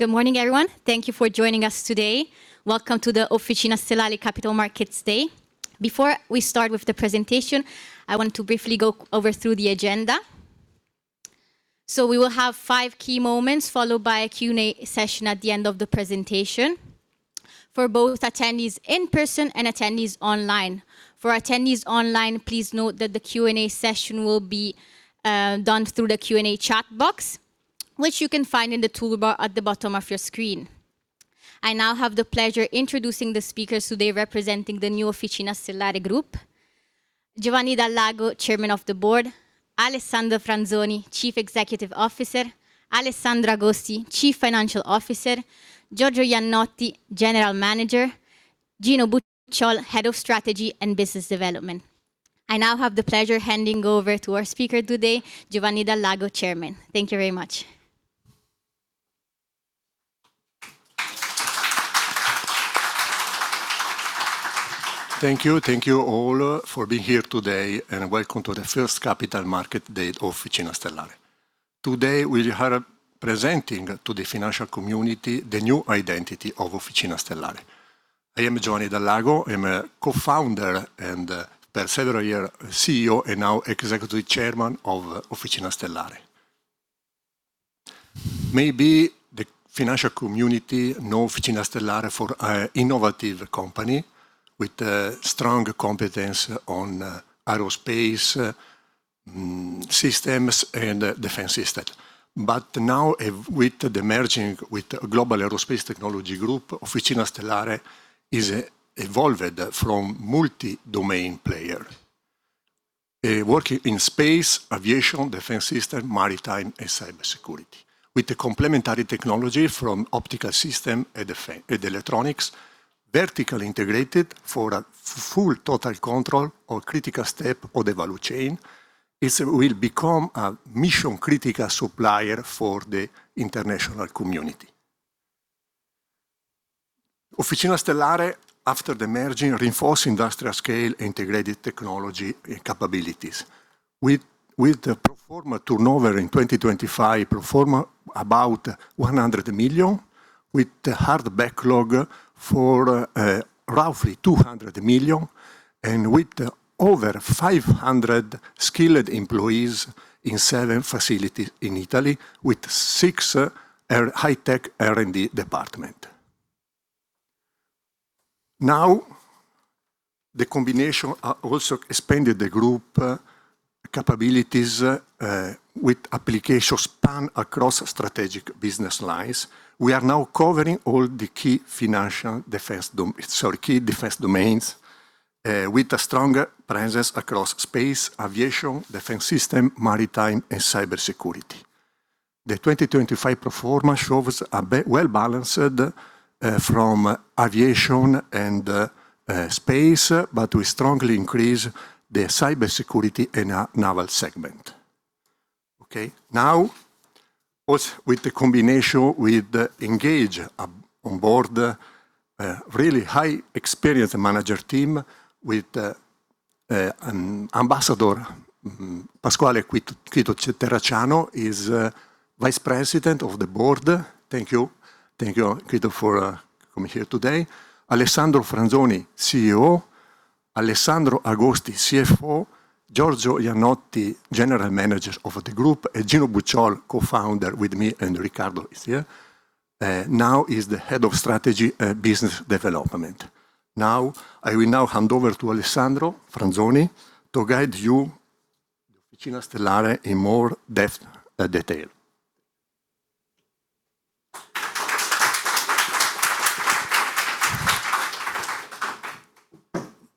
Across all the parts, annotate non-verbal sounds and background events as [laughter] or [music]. Good morning, everyone. Thank you for joining us today. Welcome to the Officina Stellare Capital Markets Day. Before we start with the presentation, I want to briefly go over through the agenda. We will have five key moments, followed by a Q&A session at the end of the presentation for both attendees in person and attendees online. For attendees online, please note that the Q&A session will be done through the Q&A chat box, which you can find in the toolbar at the bottom of your screen. I now have the pleasure introducing the speakers today, representing the new Officina Stellare group. Giovanni Dal Lago, Chairman of the Board. Alessandro Franzoni, Chief Executive Officer. Alessandro Agosti, Chief Financial Officer. Giorgio Iannotti, General Manager. Gino Bucciol, Head of Strategy and Business Development. I now have the pleasure handing over to our speaker today, Giovanni Dal Lago, Chairman. Thank you very much. Thank you. Thank you all for being here today and welcome to the first Capital Markets Day, Officina Stellare. Today, we are presenting to the financial community the new identity of Officina Stellare. I am Giovanni Dal Lago. I'm a co-founder and, for several years, CEO, and now Executive Chairman of Officina Stellare. Maybe the financial community know Officina Stellare for innovative company with strong competence on aerospace systems and defense system. But now, with the merger with Global Aerospace Technologies Group, Officina Stellare is evolved from multi-domain player, working in space, aviation, defense system, maritime, and cybersecurity. With the complementary technology from optical system and electronics vertically integrated for a full total control of critical step of the value chain, it will become a mission-critical supplier for the international community. Officina Stellare, after the merger, reinforced industrial scale, integrated technology, and capabilities. With the pro forma turnover in 2025, pro forma about 100 million, with the hard backlog for roughly 200 million, and with over 500 skilled employees in seven facilities in Italy, with six high-tech R&D departments. The combination also expanded the group capabilities with applications span across strategic business lines. We are now covering all the key defense domains, with a stronger presence across space, aviation, defense system, maritime, and cybersecurity. The 2025 pro forma shows a well-balanced from aviation and space, but we strongly increase the cybersecurity in a naval segment. Okay. Also with the combination with engage on board, really high experienced manager team with Ambassador Pasquale Quito Terracciano is Vice President of the Board. Thank you. Thank you, Quito, for coming here today. Alessandro Franzoni, CEO. Alessandro Agosti, CFO. Giorgio Iannotti, General Manager of the group, Gino Bucciol, co-founder with me, and Riccardo is here. He's the Head of Strategy Business Development. I will now hand over to Alessandro Franzoni to guide you, Officina Stellare, in more depth detail.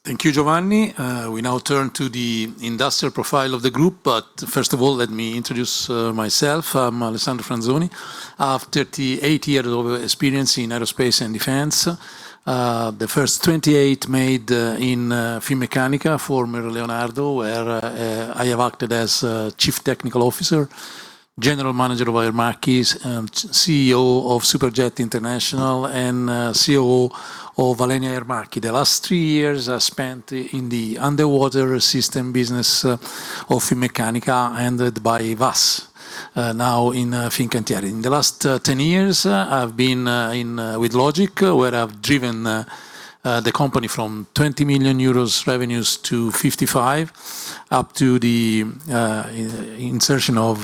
Thank you, Giovanni. We now turn to the industrial profile of the group, first of all, let me introduce myself. I'm Alessandro Franzoni. I have 38 years of experience in aerospace and defense. The first 28 made in Finmeccanica, former Leonardo, where I have acted as Chief Technical Officer, General Manager of Aermacchi, CEO of SuperJet International and CEO of Alenia Aermacchi. The last three years are spent in the underwater system business of Finmeccanica, and by WASS, now in Fincantieri. In the last 10 years, I've been with Logic, where I've driven the company from 20 million euros revenues to 55 million, up to the insertion of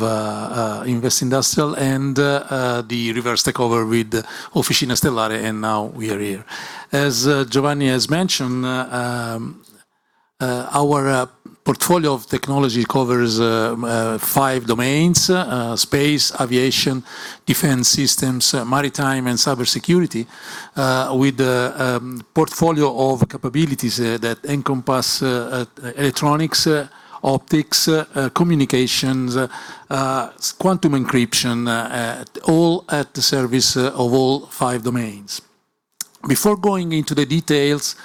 Investindustrial and the reverse takeover with Officina Stellare, and now we are here. As Giovanni has mentioned, our portfolio of technology covers five domains, space, aviation, defense systems, maritime, and cybersecurity, with a portfolio of capabilities that encompass electronics, optics, communications, quantum encryption, all at the service of all five domains. Before going into the details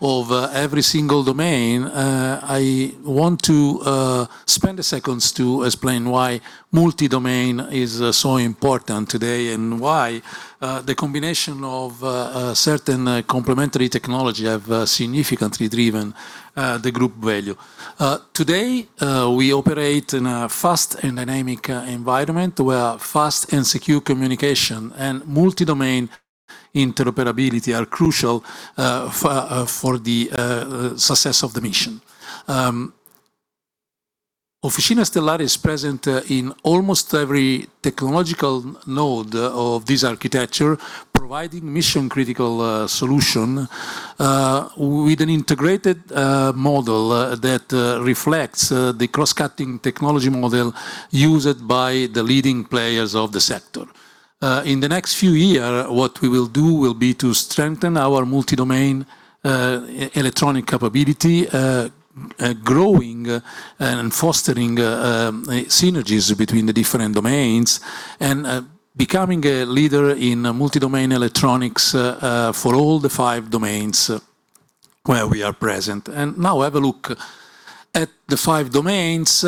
of every single domain, I want to spend a second to explain why multi-domain is so important today, why the combination of certain complementary technology have significantly driven the group value. Today, we operate in a fast and dynamic environment where fast and secure communication and multi-domain Interoperability are crucial for the success of the mission. Officina Stellare is present in almost every technological node of this architecture, providing mission-critical solution with an integrated model that reflects the cross-cutting technology model used by the leading players of the sector. In the next few year, what we will do will be to strengthen our multi-domain electronic capability, growing and fostering synergies between the different domains, becoming a leader in multi-domain electronics for all the five domains where we are present. Now have a look at the five domains,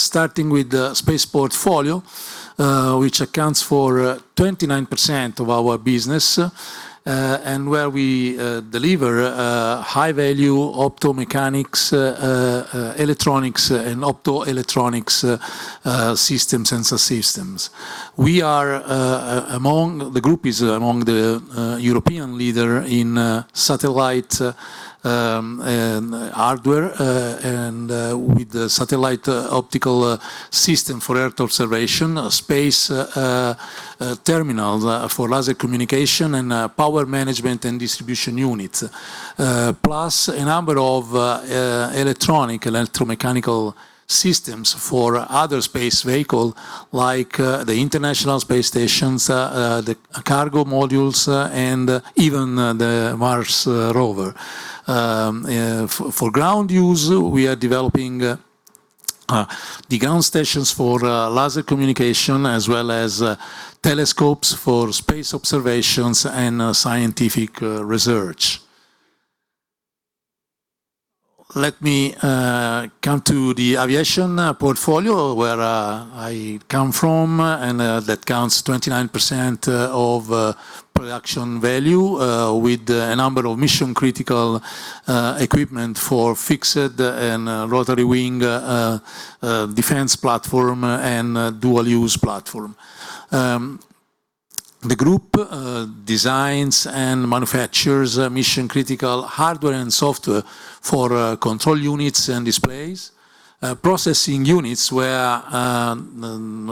starting with the space portfolio, which accounts for 29% of our business, where we deliver high-value optomechanics, electronics, and optoelectronics systems, sensor systems. The group is among the European leader in satellite hardware and with the satellite optical system for Earth observation, space terminals for laser communication, and power management and distribution unit. Plus a number of electronic electromechanical systems for other space vehicle like the International Space Station, the cargo modules, and even the Mars rover. For ground use, we are developing the ground stations for laser communication as well as telescopes for space observations and scientific research. Let me come to the aviation portfolio where I come from, that counts 29% of production value, with a number of mission-critical equipment for fixed- and rotary-wing defense platform and dual use platform. The group designs and manufactures mission-critical hardware and software for control units and displays, processing units where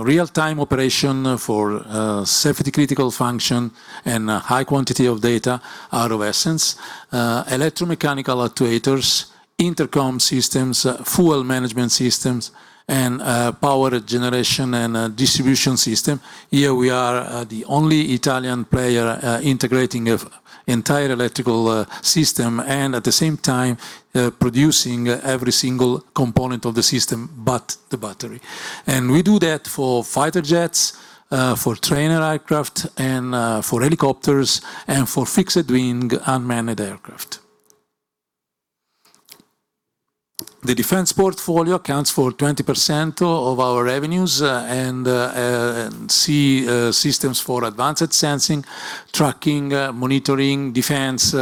real-time operation for safety critical function and high quantity of data are of essence, electromechanical actuators, intercom systems, fuel management systems, and power generation and distribution system. Here we are the only Italian player integrating an entire electrical system and at the same time producing every single component of the system but the battery. We do that for fighter jets, for trainer aircraft, for helicopters, and for fixed-wing unmanned aircraft. The defense portfolio accounts for 20% of our revenues and see systems for advanced sensing, tracking, monitoring, defense,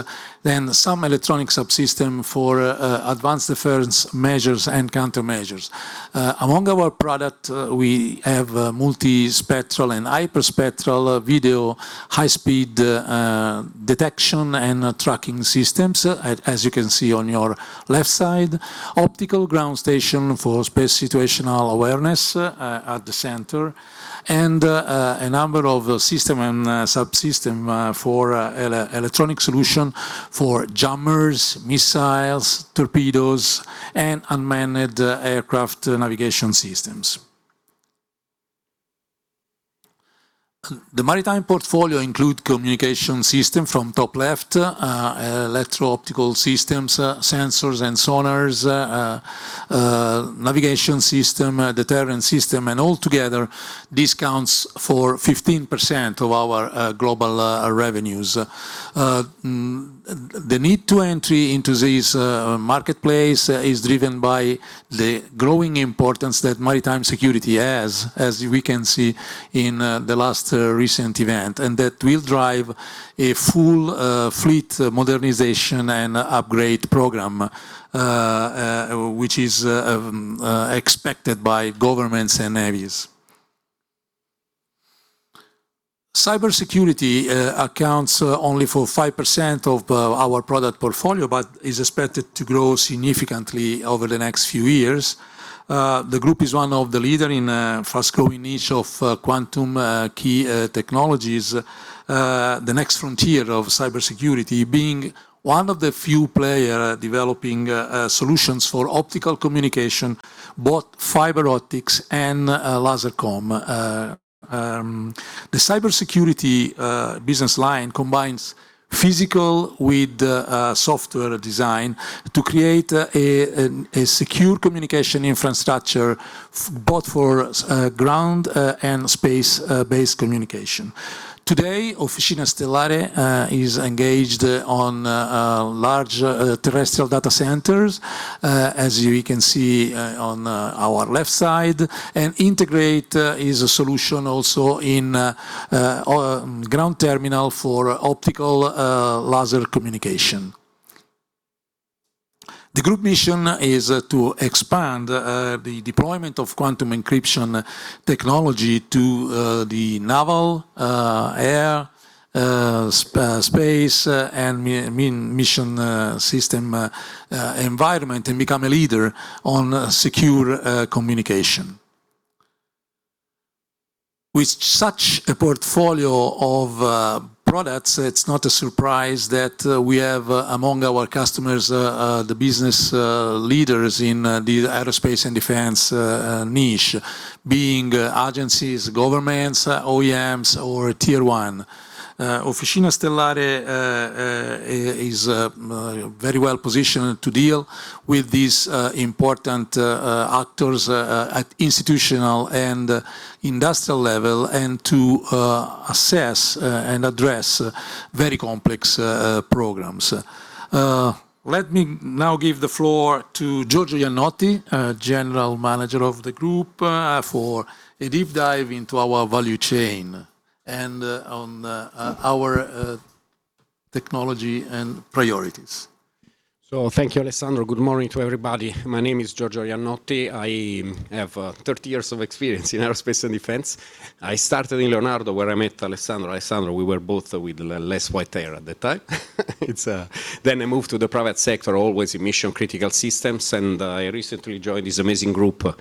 then some electronic subsystem for advanced defense measures and countermeasures. Among our product, we have multispectral and hyperspectral video, high-speed detection and tracking systems, as you can see on your left side. Optical ground station for space situational awareness at the center, and a number of system and subsystem for electronic solution for jammers, missiles, torpedoes, and unmanned aircraft navigation systems. The maritime portfolio include communication system from top left, electro-optical systems, sensors and sonars, navigation system, deterrence system, and altogether, this accounts for 15% of our global revenues. The need to entry into this marketplace is driven by the growing importance that maritime security has, as we can see in the last recent event, and that will drive a full fleet modernization and upgrade program, which is expected by governments and navies. Cybersecurity accounts only for 5% of our product portfolio, but is expected to grow significantly over the next few years. The group is one of the leader in fast-growing niche of quantum key technologies, the next frontier of cybersecurity, being one of the few player developing solutions for optical communication, both fiber optics and laser communication. The cybersecurity business line combines physical with software design to create a secure communication infrastructure both for ground and space-based communication. Today, Officina Stellare is engaged on large terrestrial data centers, as you can see on our left side, and integrate is a solution also in ground terminal for laser communication. The group mission is to expand the deployment of quantum key distribution technology to the naval, air, space, and mission system environment, and become a leader on secure communication. With such a portfolio of products, it's not a surprise that we have, among our customers, the business leaders in the aerospace and defense niche. Being agencies, governments, OEMs, or Tier 1. Officina Stellare is very well-positioned to deal with these important actors at institutional and industrial level, and to assess and address very complex programs. Let me now give the floor to Giorgio Iannotti, General Manager of the group, for a deep dive into our value chain and on our technology and priorities. Thank you, Alessandro. Good morning to everybody. My name is Giorgio Iannotti. I have 30 years of experience in aerospace and defense. I started in Leonardo, where I met Alessandro. Alessandro, we were both with less white hair at the time. I moved to the private sector, always in mission-critical systems, and I recently joined this amazing group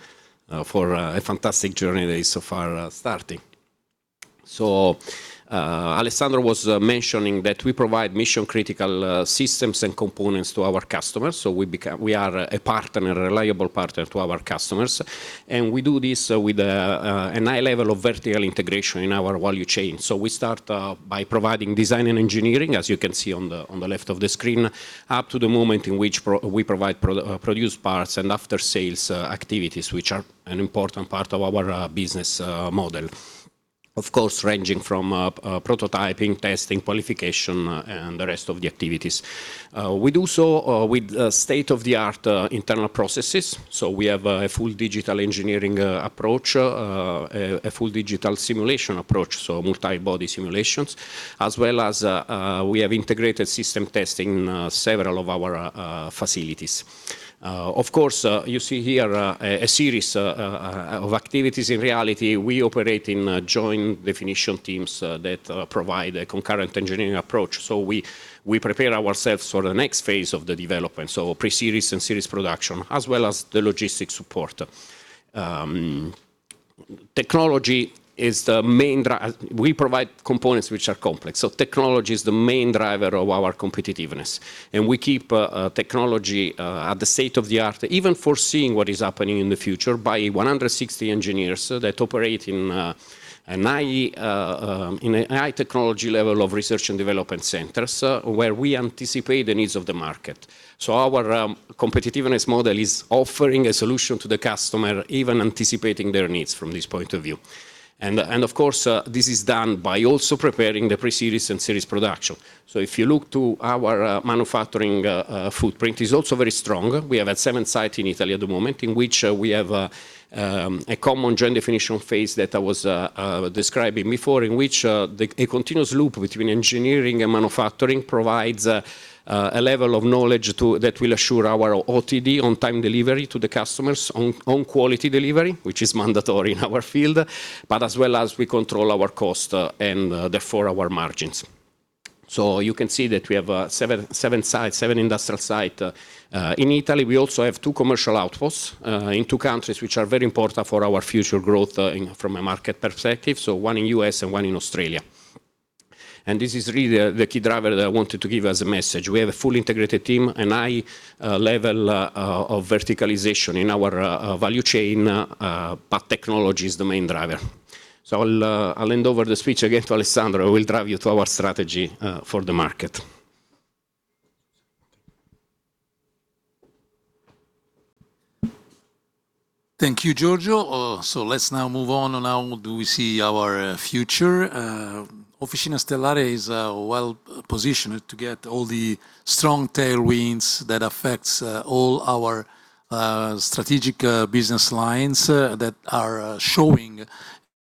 for a fantastic journey that is so far starting. Alessandro was mentioning that we provide mission-critical systems and components to our customers. We are a reliable partner to our customers. We do this with a high level of vertical integration in our value chain. We start by providing design and engineering, as you can see on the left of the screen, up to the moment in which we provide produced parts and after-sales activities, which are an important part of our business model. Of course, ranging from prototyping, testing, qualification, and the rest of the activities. We do so with state-of-the-art internal processes. We have a full digital engineering approach, a full digital simulation approach, multi-body simulations, as well as we have integrated system testing in several of our facilities. Of course, you see here a series of activities. In reality, we operate in joint definition teams that provide a concurrent engineering approach. We prepare ourselves for the next phase of the development, pre-series and series production, as well as the logistics support. We provide components which are complex, technology is the main driver of our competitiveness. We keep technology at the state of the art, even foreseeing what is happening in the future by 160 engineers that operate in a high technology level of research and development centers, where we anticipate the needs of the market. Our competitiveness model is offering a solution to the customer, even anticipating their needs from this point of view. Of course, this is done by also preparing the pre-series and series production. If you look to our manufacturing footprint, it is also very strong. We have seven sites in Italy at the moment, in which we have a common joint definition phase that I was describing before, in which a continuous loop between engineering and manufacturing provides a level of knowledge that will assure our OTD, on-time delivery, to the customers, on quality delivery, which is mandatory in our field. As well as we control our cost, and therefore our margins. You can see that we have seven industrial sites in Italy. We also have two commercial outposts in two countries which are very important for our future growth from a market perspective, one in U.S. and one in Australia. This is really the key driver that I wanted to give as a message. We have a fully integrated team and high level of verticalization in our value chain. Technology is the main driver. I'll hand over the speech again to Alessandro, who will drive you through our strategy for the market. Thank you, Giorgio. Let's now move on. How do we see our future? Officina Stellare is well-positioned to get all the strong tailwinds that affects all our strategic business lines that are showing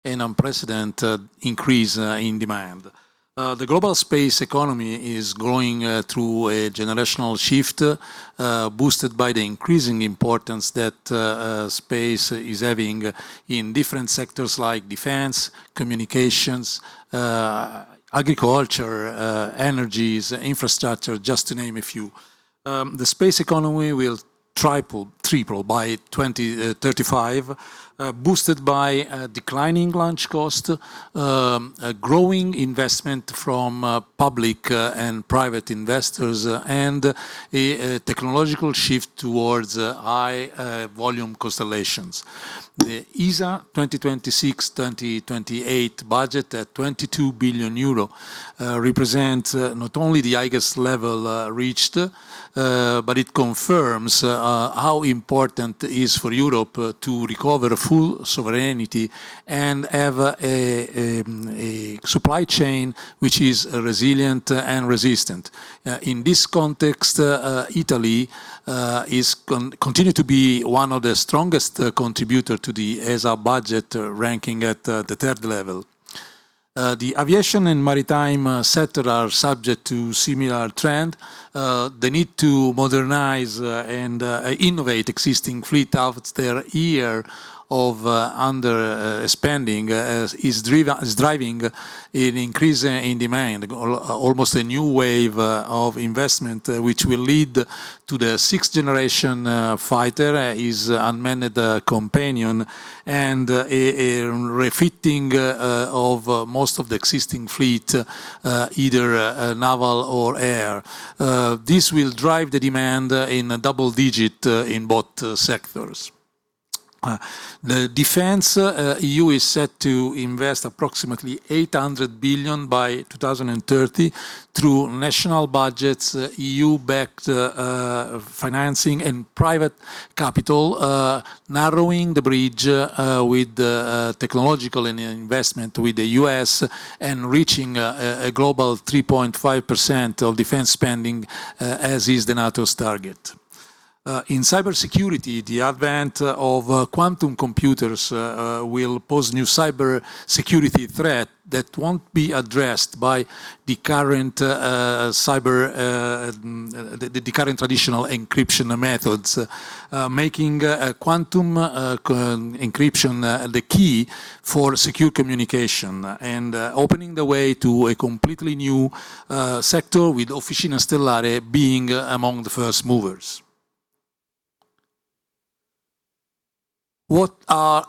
an unprecedented increase in demand. The global space economy is going through a generational shift, boosted by the increasing importance that space is having in different sectors like defense, communications, agriculture, energies, infrastructure, just to name a few. The space economy will triple by 2035, boosted by declining launch cost, a growing investment from public and private investors, and a technological shift towards high-volume constellations. The ESA 2026/2028 budget at 22 billion euro represents not only the highest level reached, but it confirms how important it is for Europe to recover full sovereignty and have a supply chain which is resilient and resistant. In this context, Italy continue to be one of the strongest contributor to the ESA budget, ranking at the third level. The aviation and maritime sector are subject to similar trend. The need to modernize and innovate existing fleet after a year of under-spending is driving an increase in demand, almost a new wave of investment, which will lead to the sixth-generation fighter, his unmanned companion, and a refitting of most of the existing fleet, either naval or air. This will drive the demand in double digit in both sectors. The defense EU is set to invest approximately 800 billion by 2030 through national budgets, EU-backed financing, and private capital, narrowing the bridge with technological investment with the U.S. and reaching a global 3.5% of defense spending, as is the NATO's target. In cybersecurity, the advent of quantum computers will pose new security threat that won't be addressed by the current traditional encryption methods, making quantum encryption the key for secure communication and opening the way to a completely new sector with Officina Stellare being among the first movers. What are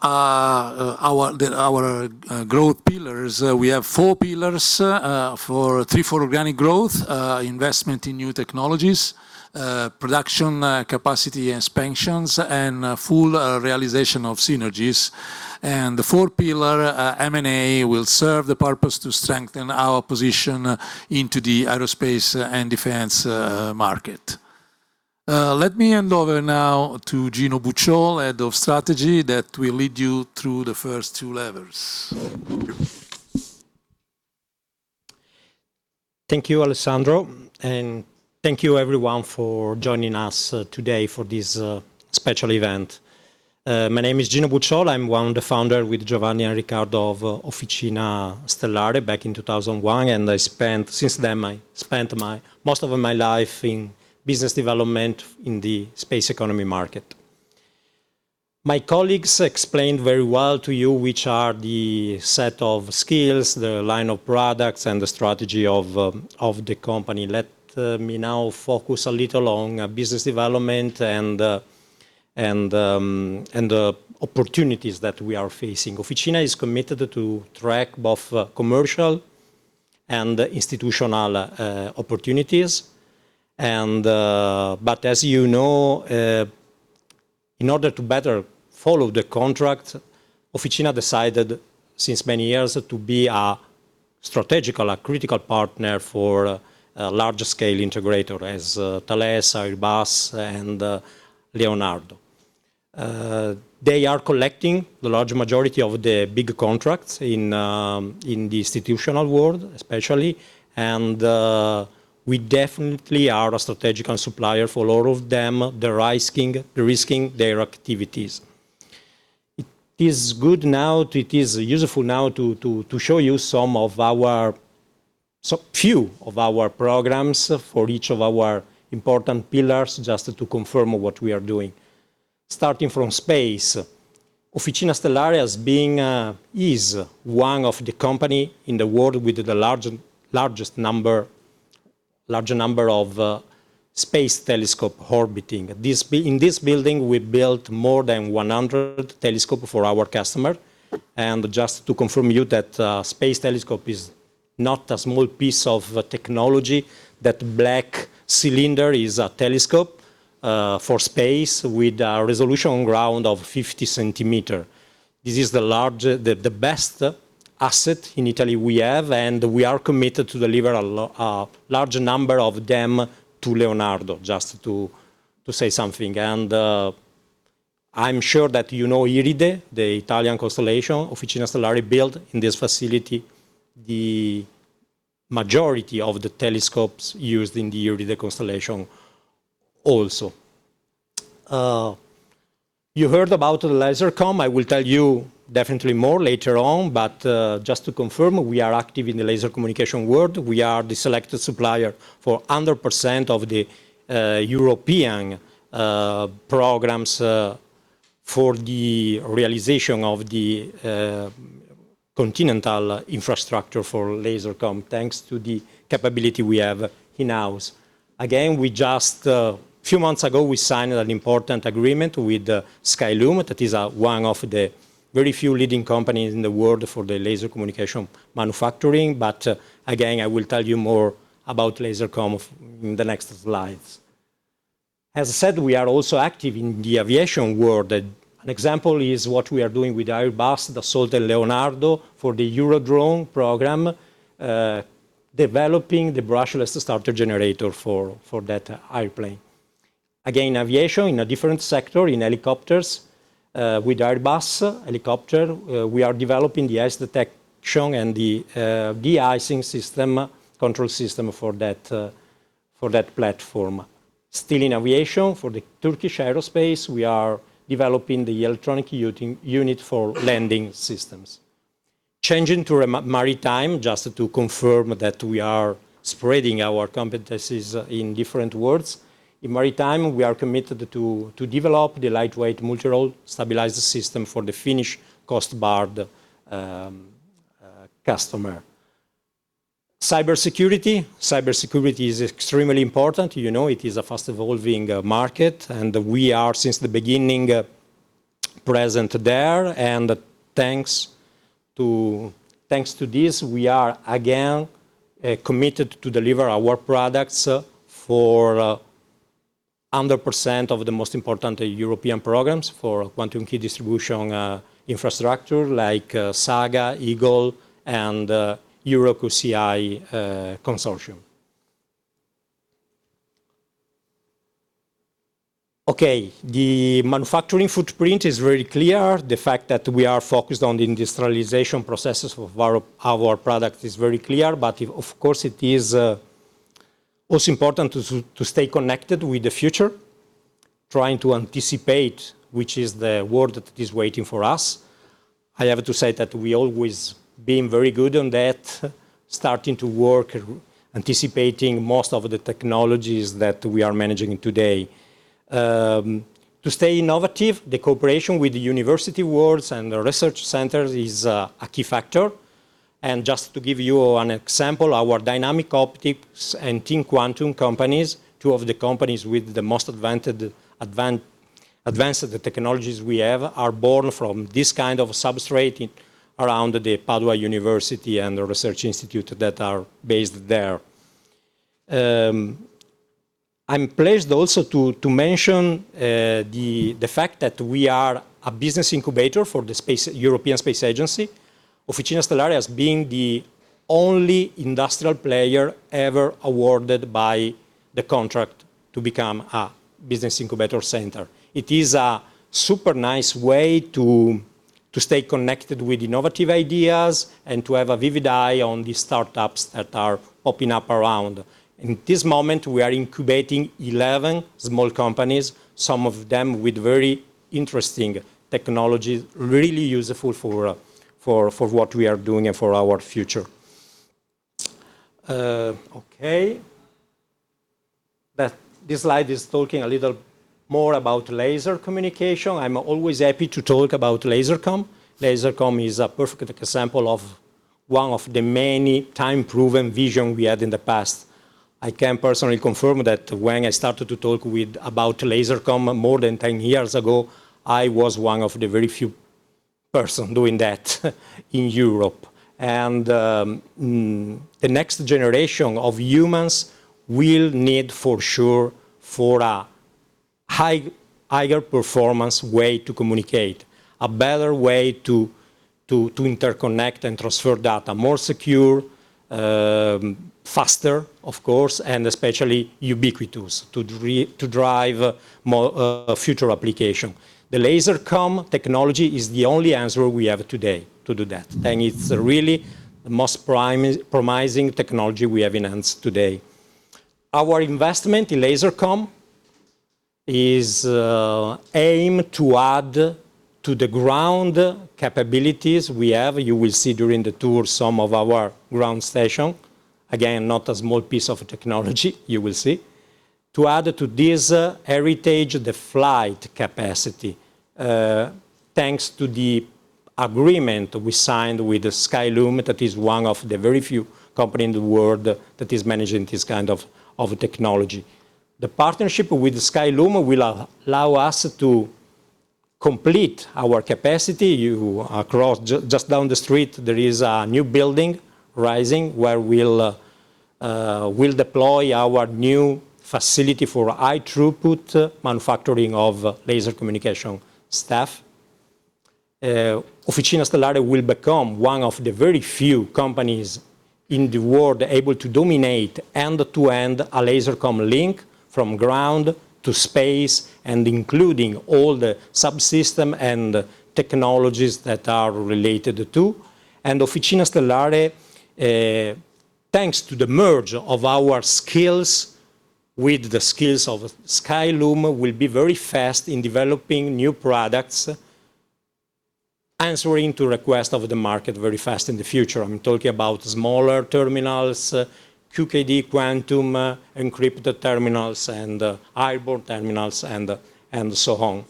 our growth pillars? We have four pillars. For three, for organic growth, investment in new technologies, production capacity expansions, and full realization of synergies. The fourth pillar, M&A, will serve the purpose to strengthen our position into the aerospace and defense market. Let me hand over now to Gino Bucciol, Head of Strategy, that will lead you through the first two levers. Thank you, Alessandro, and thank you everyone for joining us today for this special event. My name is Gino Bucciol. I'm one of the founder with Giovanni and Riccardo of Officina Stellare back in 2001, and since then, I spent most of my life in business development in the space economy market. My colleagues explained very well to you which are the set of skills, the line of products, and the strategy of the company. Let me now focus a little on business development and the opportunities that we are facing. Officina is committed to track both commercial and institutional opportunities. As you know, in order to better follow the contract, Officina decided, since many years, to be a strategical, a critical partner for a larger scale integrator as Thales, Airbus, and Leonardo. They are collecting the large majority of the big contracts in the institutional world, especially. We definitely are a strategical supplier for all of them, de-risking their activities. It is useful now to show you a few of our programs for each of our important pillars, just to confirm what we are doing. Starting from space. Officina Stellare is one of the company in the world with the largest number of space telescope orbiting. In this building, we built more than 100 telescope for our customer. Just to confirm you that space telescope is not a small piece of technology. That black cylinder is a telescope for space with a resolution ground of 50 cm. This is the best asset in Italy we have, and we are committed to deliver a large number of them to Leonardo, just to say something. I'm sure that you know IRIDE, the Italian constellation Officina Stellare built in this facility. The majority of the telescopes used in the IRIDE constellation also. You heard about laser comm. I will tell you definitely more later on, just to confirm, we are active in the laser communication world. We are the selected supplier for 100% of the European programs for the realization of the continental infrastructure for laser comm, thanks to the capability we have in-house. Just few months ago, we signed an important agreement with Skyloom. That is one of the very few leading companies in the world for the laser communication manufacturing. I will tell you more about laser comm in the next slides. As I said, we are also active in the aviation world. An example is what we are doing with Airbus, Thales, and Leonardo for the Eurodrone program, developing the brushless starter-generator for that airplane. Aviation in a different sector, in helicopters. With Airbus Helicopters, we are developing the ice detection and the de-icing control system for that platform. Still in aviation, for the Turkish Aerospace Industries, we are developing the electronic unit for landing systems. Changing to maritime, just to confirm that we are spreading our competencies in different worlds. In maritime, we are committed to develop the lightweight multi-role stabilizer system for the Finnish Coast Guard customer. Cybersecurity. Cybersecurity is extremely important. You know it is a fast-evolving market, we are, since the beginning, present there. Thanks to this, we are again committed to deliver our products for 100% of the most important European programs for quantum key distribution infrastructure like SAGA, EAGLE-1, and EuroQCI consortium. The manufacturing footprint is very clear. The fact that we are focused on the industrialization processes of our product is very clear. It is also important to stay connected with the future, trying to anticipate which is the world that is waiting for us. I have to say that we always been very good on that, starting to work, anticipating most of the technologies that we are managing today. To stay innovative, the cooperation with the university worlds and research centers is a key factor. Just to give you an example, our Dynamic Optics and ThinKQuantum companies, two of the companies with the most advanced technologies we have, are born from this kind of substrate around the Padua University and the research institute that are based there. I'm pleased also to mention the fact that we are a business incubator for the European Space Agency. Officina Stellare as being the only industrial player ever awarded by the contract to become a business incubator center. It is a super nice way to stay connected with innovative ideas and to have a vivid eye on the startups that are popping up around. In this moment, we are incubating 11 small companies, some of them with very interesting technologies, really useful for what we are doing and for our future. This slide is talking a little more about laser communication. I'm always happy to talk about laser comm. Laser comm is a perfect example of one of the many time-proven vision we had in the past. I can personally confirm that when I started to talk about laser comm more than 10 years ago, I was one of the very few person doing that in Europe. The next generation of humans will need for sure, for a higher performance way to communicate, a better way to interconnect and transfer data. More secure, faster, of course, especially ubiquitous to drive future application. The laser comm technology is the only answer we have today to do that, and it's really the most promising technology we have enhanced today. Our investment in laser comm is aimed to add to the ground capabilities we have. You will see during the tour some of our ground station. Again, not a small piece of technology, you will see. To add to this heritage, the flight capacity. Thanks to the agreement we signed with Skyloom, that is one of the very few company in the world that is managing this kind of technology. The partnership with Skyloom will allow us to complete our capacity. Just down the street, there is a new building rising where we'll deploy our new facility for high throughput manufacturing of laser communication stuff. Officina Stellare will become one of the very few companies in the world able to dominate end-to-end a laser comm link from ground to space, including all the subsystem and technologies that are related to. Officina Stellare, thanks to the merge of our skills with the skills of Skyloom, will be very fast in developing new products, answering to request of the market very fast in the future. I'm talking about smaller terminals, QKD quantum encrypted terminals, and airborne terminals, and so on.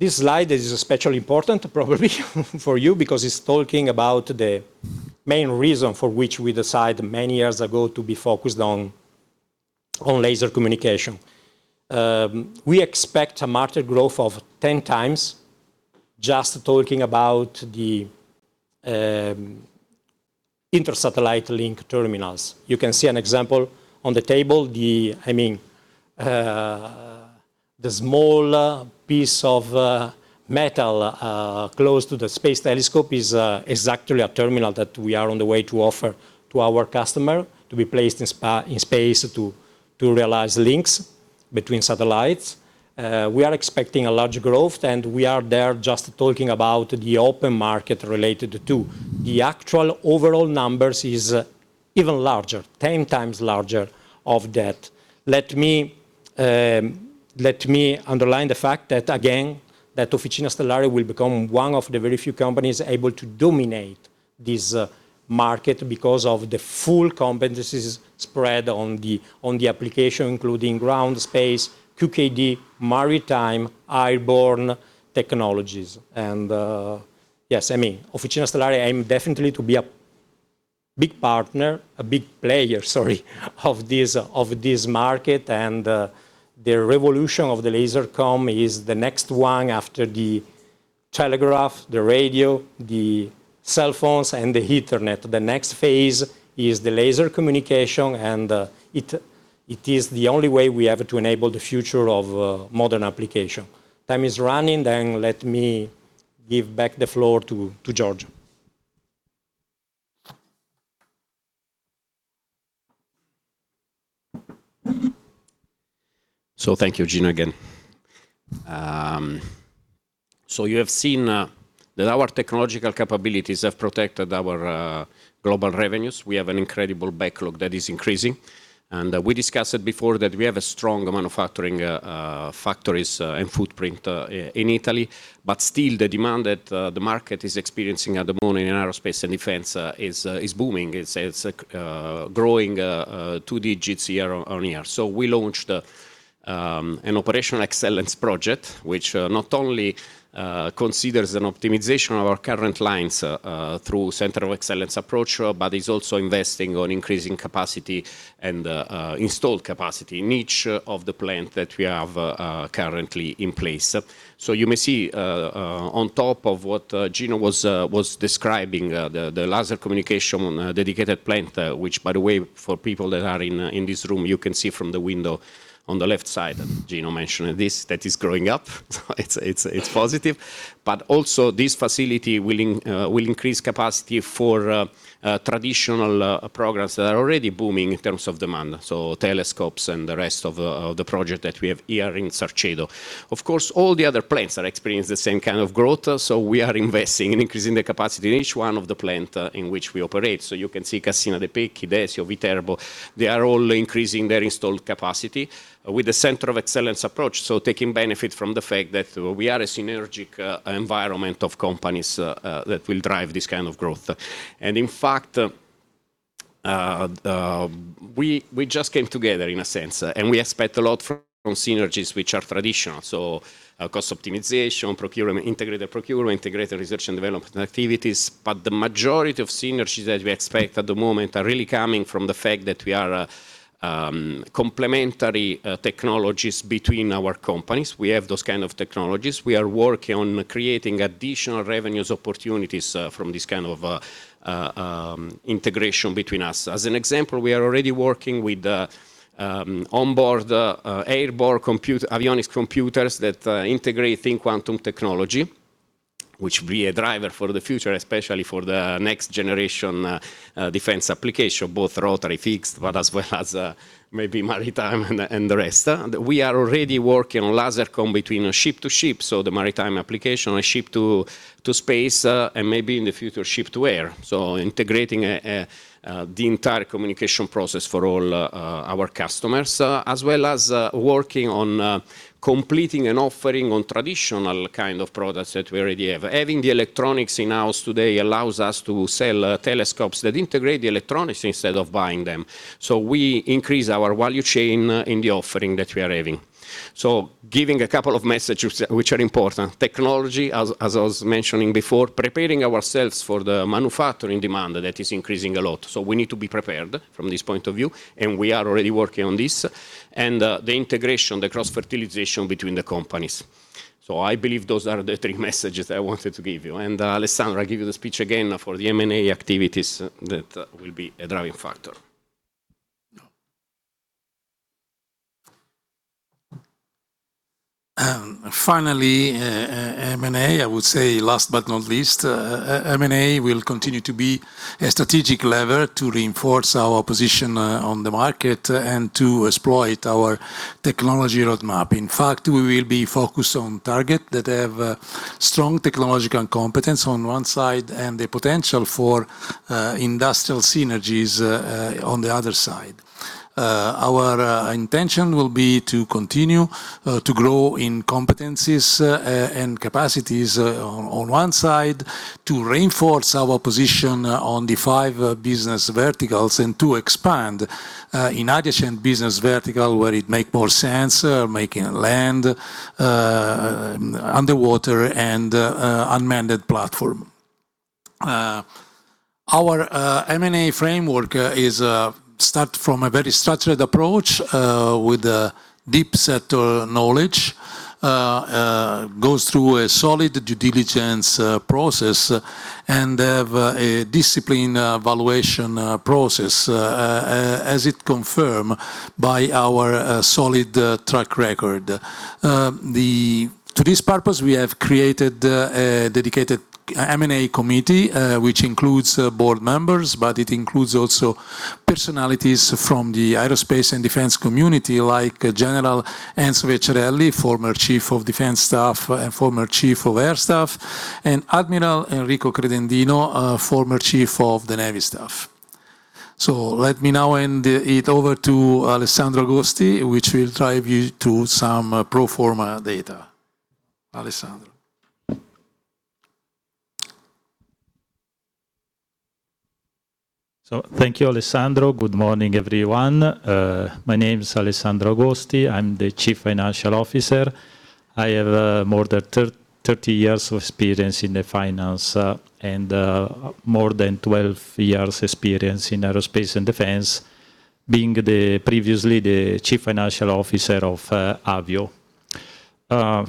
This slide is especially important probably for you because it's talking about the main reason for which we decide many years ago to be focused on laser communication. We expect a market growth of 10 times, just talking about the inter-satellite link terminals. You can see an example on the table. The small piece of metal close to the space telescope is actually a terminal that we are on the way to offer to our customer to be placed in space to realize links between satellites. We are expecting a large growth, and we are there just talking about the open market related to. The actual overall numbers is even larger, 10 times larger of that. Let me underline the fact that, again, that Officina Stellare will become one of the very few companies able to dominate this market because of the full competencies spread on the application, including ground space, QKD, maritime, airborne technologies. Yes, Officina Stellare aim definitely to be a big player of this market, and the revolution of the laser comm is the next one after the telegraph, the radio, the cell phones, and the internet. The next phase is the laser communication, it is the only way we have to enable the future of modern application. Time is running, let me give back the floor to Giorgio. Thank you, Gino, again. You have seen that our technological capabilities have protected our global revenues. We have an incredible backlog that is increasing. We discussed it before that we have a strong manufacturing factories and footprint in Italy. Still, the demand that the market is experiencing at the moment in aerospace and defense is booming. It is growing two digits year-on-year. We launched an operational excellence project, which not only considers an optimization of our current lines through center of excellence approach, but is also investing on increasing capacity and installed capacity in each of the plant that we have currently in place. You may see, on top of what Gino was describing, the laser communication dedicated plant, which, by the way, for people that are in this room, you can see from the window on the left side, Gino mentioned this, that is growing up. It is positive. Also, this facility will increase capacity for traditional programs that are already booming in terms of demand. Telescopes and the rest of the project that we have here in Sarcedo. Of course, all the other plants are experiencing the same kind of growth, we are investing in increasing the capacity in each one of the plant in which we operate. You can see Cassina de' Pecchi, Desio, Viterbo, they are all increasing their installed capacity with the center of excellence approach. Taking benefit from the fact that we are a synergic environment of companies that will drive this kind of growth. In fact, we just came together in a sense, and we expect a lot from synergies which are traditional. Cost optimization, procurement, integrated procurement, integrated research and development activities. The majority of synergies that we expect at the moment are really coming from the fact that we are complementary technologies between our companies. We have those kind of technologies. We are working on creating additional revenues opportunities from this kind of integration between us. As an example, we are already working with onboard airborne avionics computers that integrate in quantum technology, which will be a driver for the future, especially for the next generation defense application, both rotary fixed, but as well as maybe maritime and the rest. We are already working on laser communication between ship to ship, the maritime application, or ship to space, and maybe in the future, ship to air. Integrating the entire communication process for all our customers, as well as working on completing and offering on traditional kind of products that we already have. Having the electronics in-house today allows us to sell telescopes that integrate the electronics instead of buying them. We increase our value chain in the offering that we are having. Giving a couple of messages which are important. Technology, as I was mentioning before, preparing ourselves for the manufacturing demand that is increasing a lot. We need to be prepared from this point of view, and we are already working on this. The integration, the cross-fertilization between the companies. I believe those are the three messages I wanted to give you. Alessandro, I give you the speech again for the M&A activities that will be a driving factor. Finally M&A, I would say last but not least, M&A will continue to be a strategic lever to reinforce our position on the market and to exploit our technology roadmap. In fact, we will be focused on target that have strong technological competence on one side and the potential for industrial synergies on the other side. Our intention will be to continue to grow in competencies and capacities on one side, to reinforce our position on the five business verticals, and to expand in adjacent business vertical where it make more sense, making land, underwater, and unmanned platform. Our M&A framework is start from a very structured approach with deep set knowledge, goes through a solid due diligence process, and have a disciplined valuation process, as it confirm by our solid track record. To this purpose, we have created a dedicated M&A committee, which includes board members, but it includes also Personalities from the aerospace and defense community like General Enzo Vecciarelli, former Chief of Defense Staff and former Chief of Air Staff, and Admiral Enrico Credendino, former Chief of the Navy Staff. Let me now hand it over to Alessandro Agosti, which will drive you to some pro forma data. Alessandro. Thank you, Alessandro. Good morning, everyone. My name's Alessandro Agosti. I'm the Chief Financial Officer. I have more than 30 years of experience in finance and more than 12 years experience in aerospace and defense, being previously the Chief Financial Officer of Avio.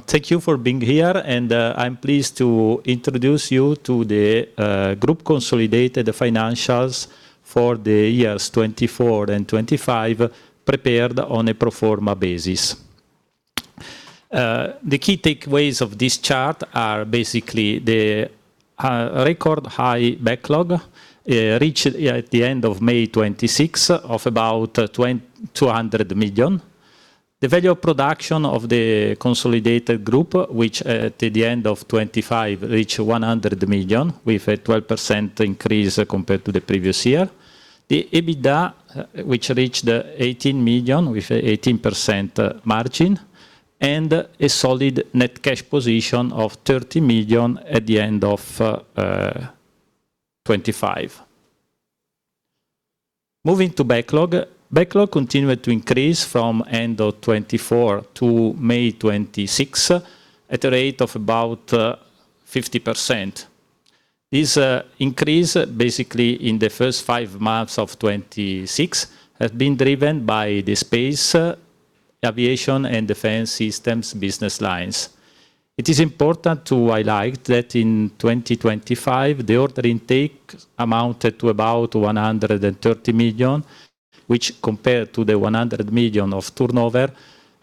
Thank you for being here and I'm pleased to introduce you to the group consolidated financials for the years 2024 and 2025, prepared on a pro forma basis. The key takeaways of this chart are basically the record high backlog, reached at the end of May 2026, of about 200 million. The Value of Production of the consolidated group, which at the end of 2025, reached 100 million with a 12% increase compared to the previous year. The EBITDA, which reached 18 million with 18% margin, and a solid net cash position of 30 million at the end of 2025. Moving to backlog. Backlog continued to increase from end of 2024 to May 2026, at a rate of about 50%. This increase, basically in the first five months of 2026, has been driven by the space, aviation, and defense systems business lines. It is important to highlight that in 2025, the order intake amounted to about 130 million, which, compared to the 100 million of turnover,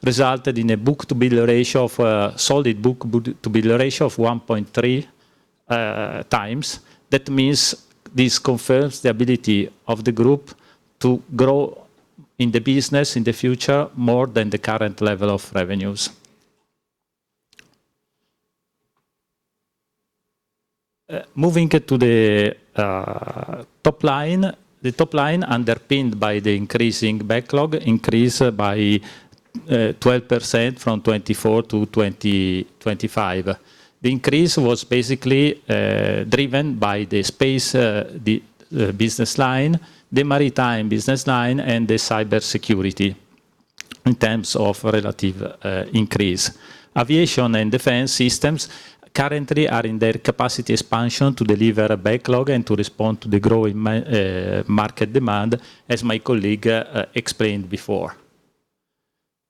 resulted in a solid book-to-bill ratio of 1.3 times. That means this confirms the ability of the group to grow in the business in the future more than the current level of revenues. Moving to the top line. The top line, underpinned by the increasing backlog, increased by 12% from 2024 to 2025. The increase was basically driven by the space business line, the maritime business line, and the cybersecurity in terms of relative increase. Aviation and defense systems currently are in their capacity expansion to deliver a backlog and to respond to the growing market demand, as my colleague explained before.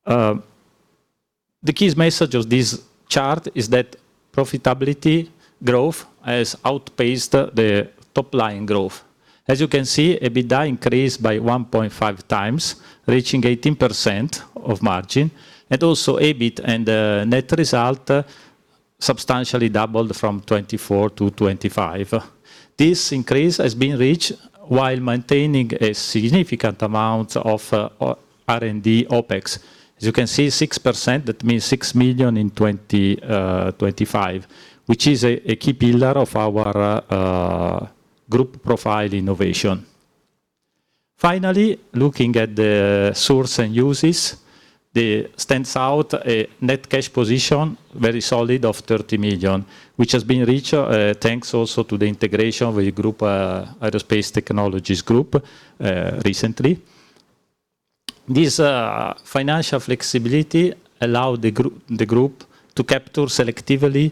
The key message of this chart is that profitability growth has outpaced the top-line growth. As you can see, EBITDA increased by 1.5 times, reaching 18% of margin, and also EBIT and net result substantially doubled from 2024 to 2025. This increase has been reached while maintaining a significant amount of R&D OpEx. As you can see, 6%, that means 6 million in 2025, which is a key pillar of our group profile innovation. Finally, looking at the source and uses, stands out a net cash position, very solid, of 30 million, which has been reached thanks also to the integration with Aerospace Technologies Group recently. This financial flexibility allowed the group to capture selectively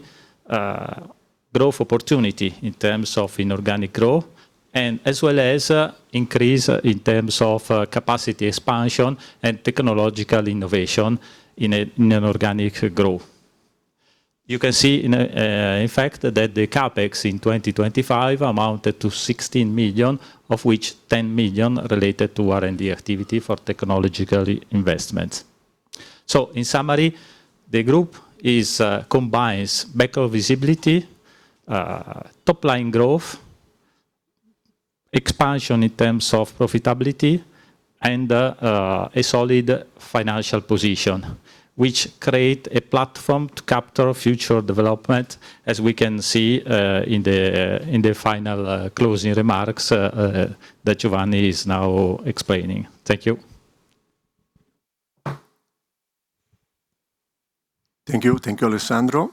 growth opportunity in terms of inorganic growth, and as well as increase in terms of capacity expansion and technological innovation in inorganic growth. You can see, in fact, that the CapEx in 2025 amounted to 16 million, of which 10 million related to R&D activity for technological investments. In summary, the group combines backlog visibility, top-line growth, expansion in terms of profitability, and a solid financial position, which create a platform to capture future development, as we can see in the final closing remarks that Giovanni is now explaining. Thank you. Thank you. Thank you, Alessandro.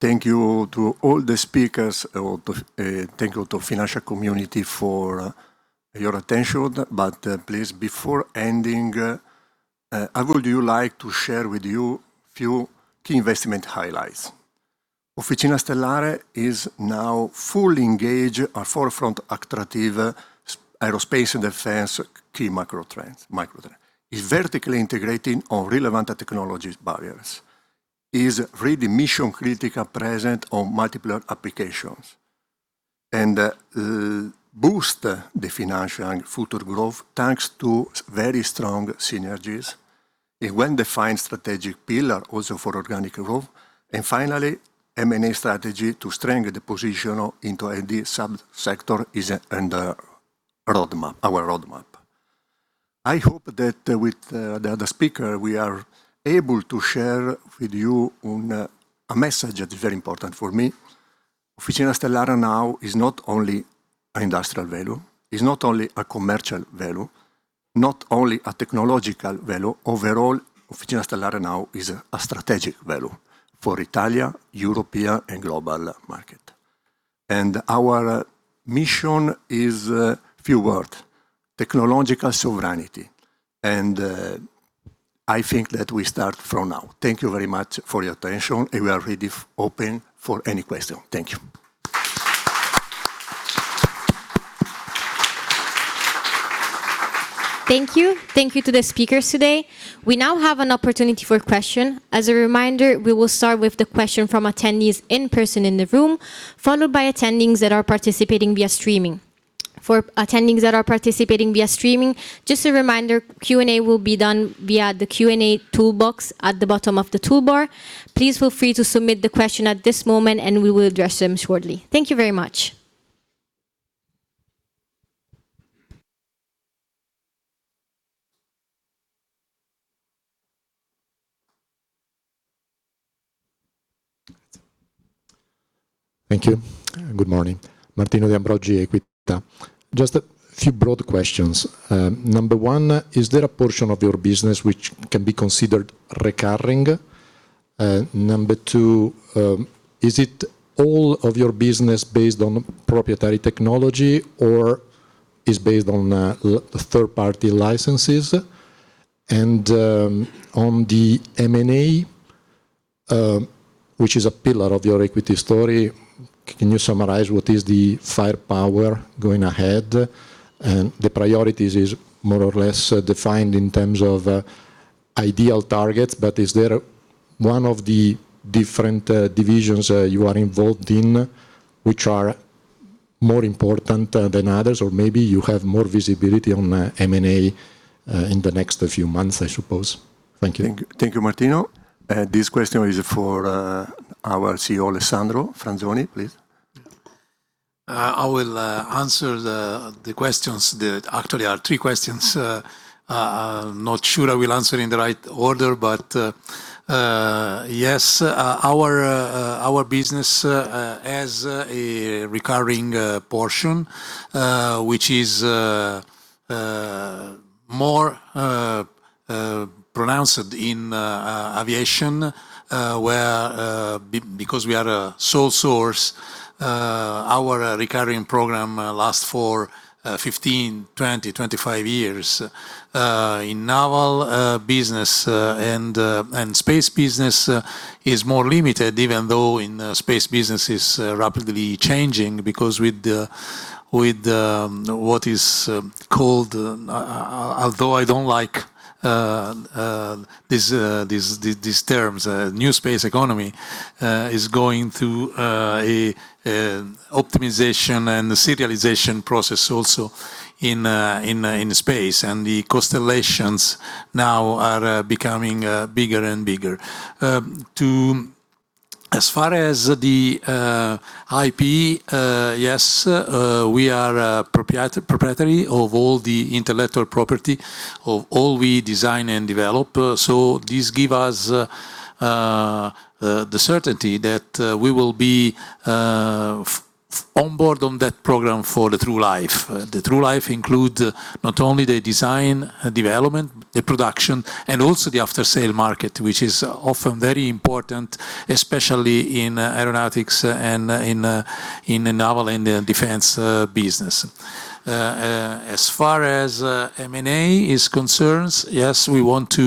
Thank you to all the speakers. Thank you to financial community for your attention. Please, before ending, I would like to share with you a few key investment highlights. Officina Stellare is now fully engaged at forefront attractive aerospace and defense key microtrend. It's vertically integrating on relevant technologies barriers. It is really mission-critical present on multiple applications. Boosts the financial and future growth, thanks to very strong synergies A well-defined strategic pillar also for organic growth. Finally, M&A strategy to strengthen the position into the sub-sector is in our roadmap. I hope that with the other speaker, we are able to share with you a message that is very important for me. Officina Stellare now is not only an industrial value, is not only a commercial value, not only a technological value. Overall, Officina Stellare now is a strategic value for Italian, European, and global market. Our mission is a few words: technological sovereignty. I think that we start from now. Thank you very much for your attention, and we are really open for any question. Thank you. Thank you. Thank you to the speakers today. We now have an opportunity for question. As a reminder, we will start with the question from attendees in person in the room, followed by attendees that are participating via streaming. For attendees that are participating via streaming, just a reminder, Q&A will be done via the Q&A toolbox at the bottom of the toolbar. Please feel free to submit the question at this moment, and we will address them shortly. Thank you very much. Thank you. Good morning. Martino De Ambroggi, Equita. Just a few broad questions. Number one, is there a portion of your business which can be considered recurring? Number two, is it all of your business based on proprietary technology or is based on third-party licenses? On the M&A, which is a pillar of your equity story, can you summarize what is the firepower going ahead? The priorities is more or less defined in terms of ideal targets, but is there one of the different divisions you are involved in which are more important than others? Maybe you have more visibility on M&A in the next few months, I suppose. Thank you. Thank you, Martino. This question is for our CEO, Alessandro Franzoni. Please. I will answer the questions. There actually are three questions. Not sure I will answer in the right order, Yes, our business has a recurring portion, which is more pronounced in aviation, where, because we are a sole source, our recurring program lasts for 15, 20, 25 years. In naval business and space business is more limited, even though in space business is rapidly changing because with what is called, although I don't like these terms, new space economy, is going through a optimization and serialization process also in space. The constellations now are becoming bigger and bigger. As far as the IP, yes, we are proprietary of all the intellectual property of all we design and develop. This give us the certainty that we will be on board on that program for the true life. The true life include not only the design, development, the production, and also the after sale market which is often very important especially in aeronautics and in naval and in defense business. As far as M&A is concerned, yes we want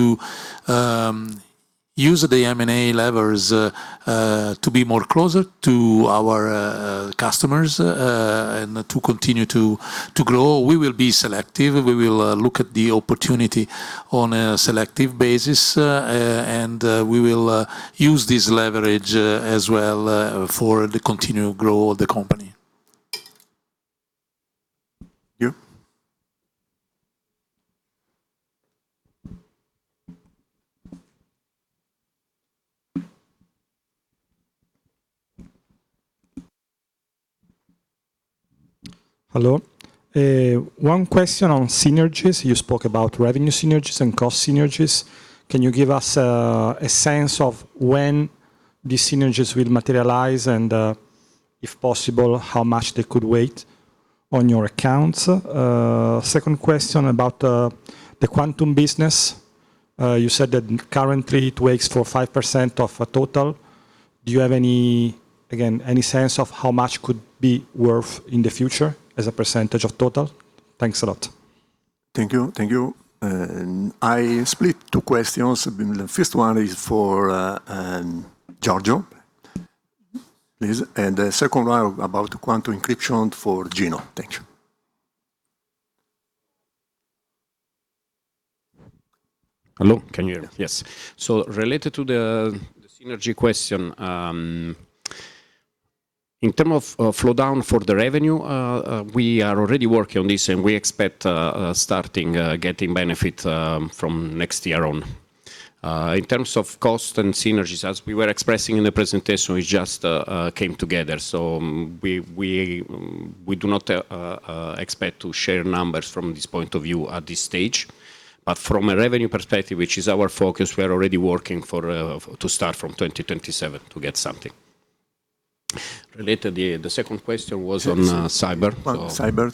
to use the M&A levers to be more closer to our customers to continue to grow. We will be selective. We will look at the opportunity on a selective basis, We will use this leverage as well for the continued growth of the company. Thank you. Hello. One question on synergies. You spoke about revenue synergies and cost synergies. Can you give us a sense of when the synergies will materialize and, if possible, how much they could weight on your accounts? Second question about the quantum business. You said that currently it weighs for 5% of total. Do you have, again, any sense of how much could be worth in the future as a percentage of total? Thanks a lot. Thank you. I split two questions. The first one is for Giorgio, please. The second one about quantum encryption for Gino. Thank you. Hello, can you hear? Yes. Related to the synergy question- In terms of flow down for the revenue, we are already working on this, and we expect starting getting benefit from next year on. In terms of cost and synergies, as we were expressing in the presentation, we just came together. We do not expect to share numbers from this point of view at this stage. From a revenue perspective, which is our focus, we are already working to start from 2027 to get something. Related, the second question was on cyber. On cyber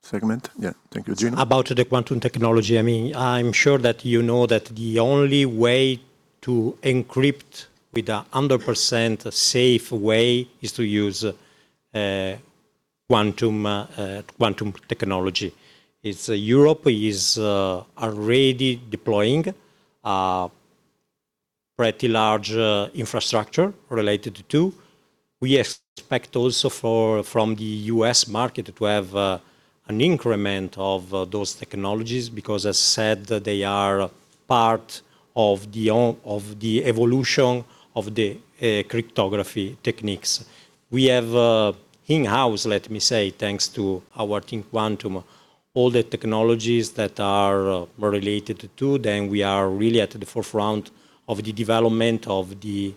segment. Thank you. Gino? About the quantum technology. I'm sure that you know that the only way to encrypt with 100% safe way is to use quantum technology. Europe is already deploying a pretty large infrastructure related to two. We expect also from the U.S. market to have an increment of those technologies because as said, they are part of the evolution of the cryptography techniques. We have in-house, let me say, thanks to our ThinKQuantum, all the technologies that are related to them, we are really at the forefront of the development of the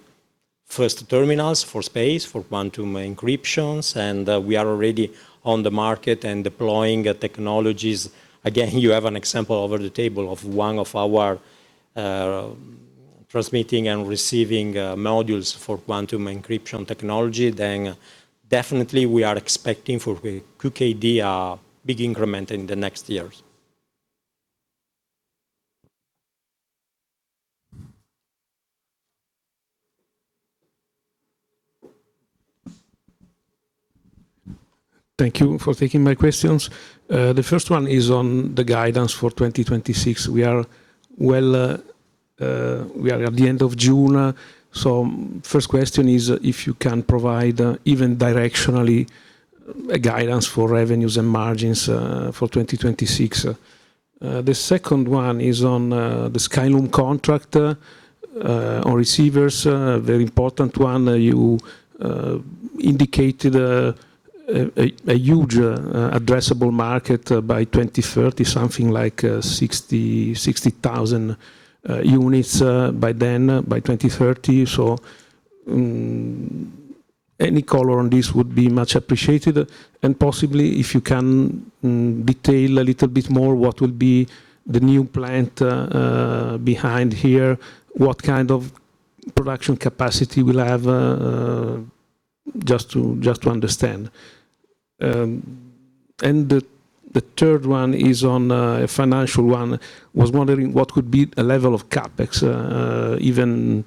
first terminals for space, for quantum encryptions, and we are already on the market and deploying technologies. Again, you have an example over the table of one of our transmitting and receiving modules for quantum encryption technology. Definitely we are expecting for QKD a big increment in the next years. Thank you for taking my questions. The first one is on the guidance for 2026. We are at the end of June. First question is if you can provide even directionally a guidance for revenues and margins for 2026. The second one is on the Skyloom contract or receivers. A very important one. You indicated a huge addressable market by 2030, something like 60,000 units by then, by 2030. Any color on this would be much appreciated and possibly if you can detail a little bit more what will be the new plant behind here, what kind of production capacity will have, just to understand. The third one is on a financial one. Was wondering what could be a level of CapEx, even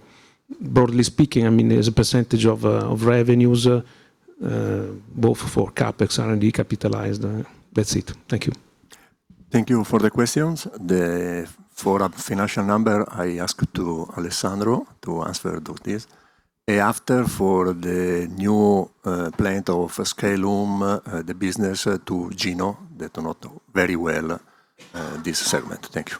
broadly speaking, as a percentage of revenues both for CapEx and R&D capitalized. That's it. Thank you. Thank you for the questions. For financial number, I ask Alessandro to answer those things. After, for the new plant of Skyloom, the business, to Gino that know very well this segment. Thank you.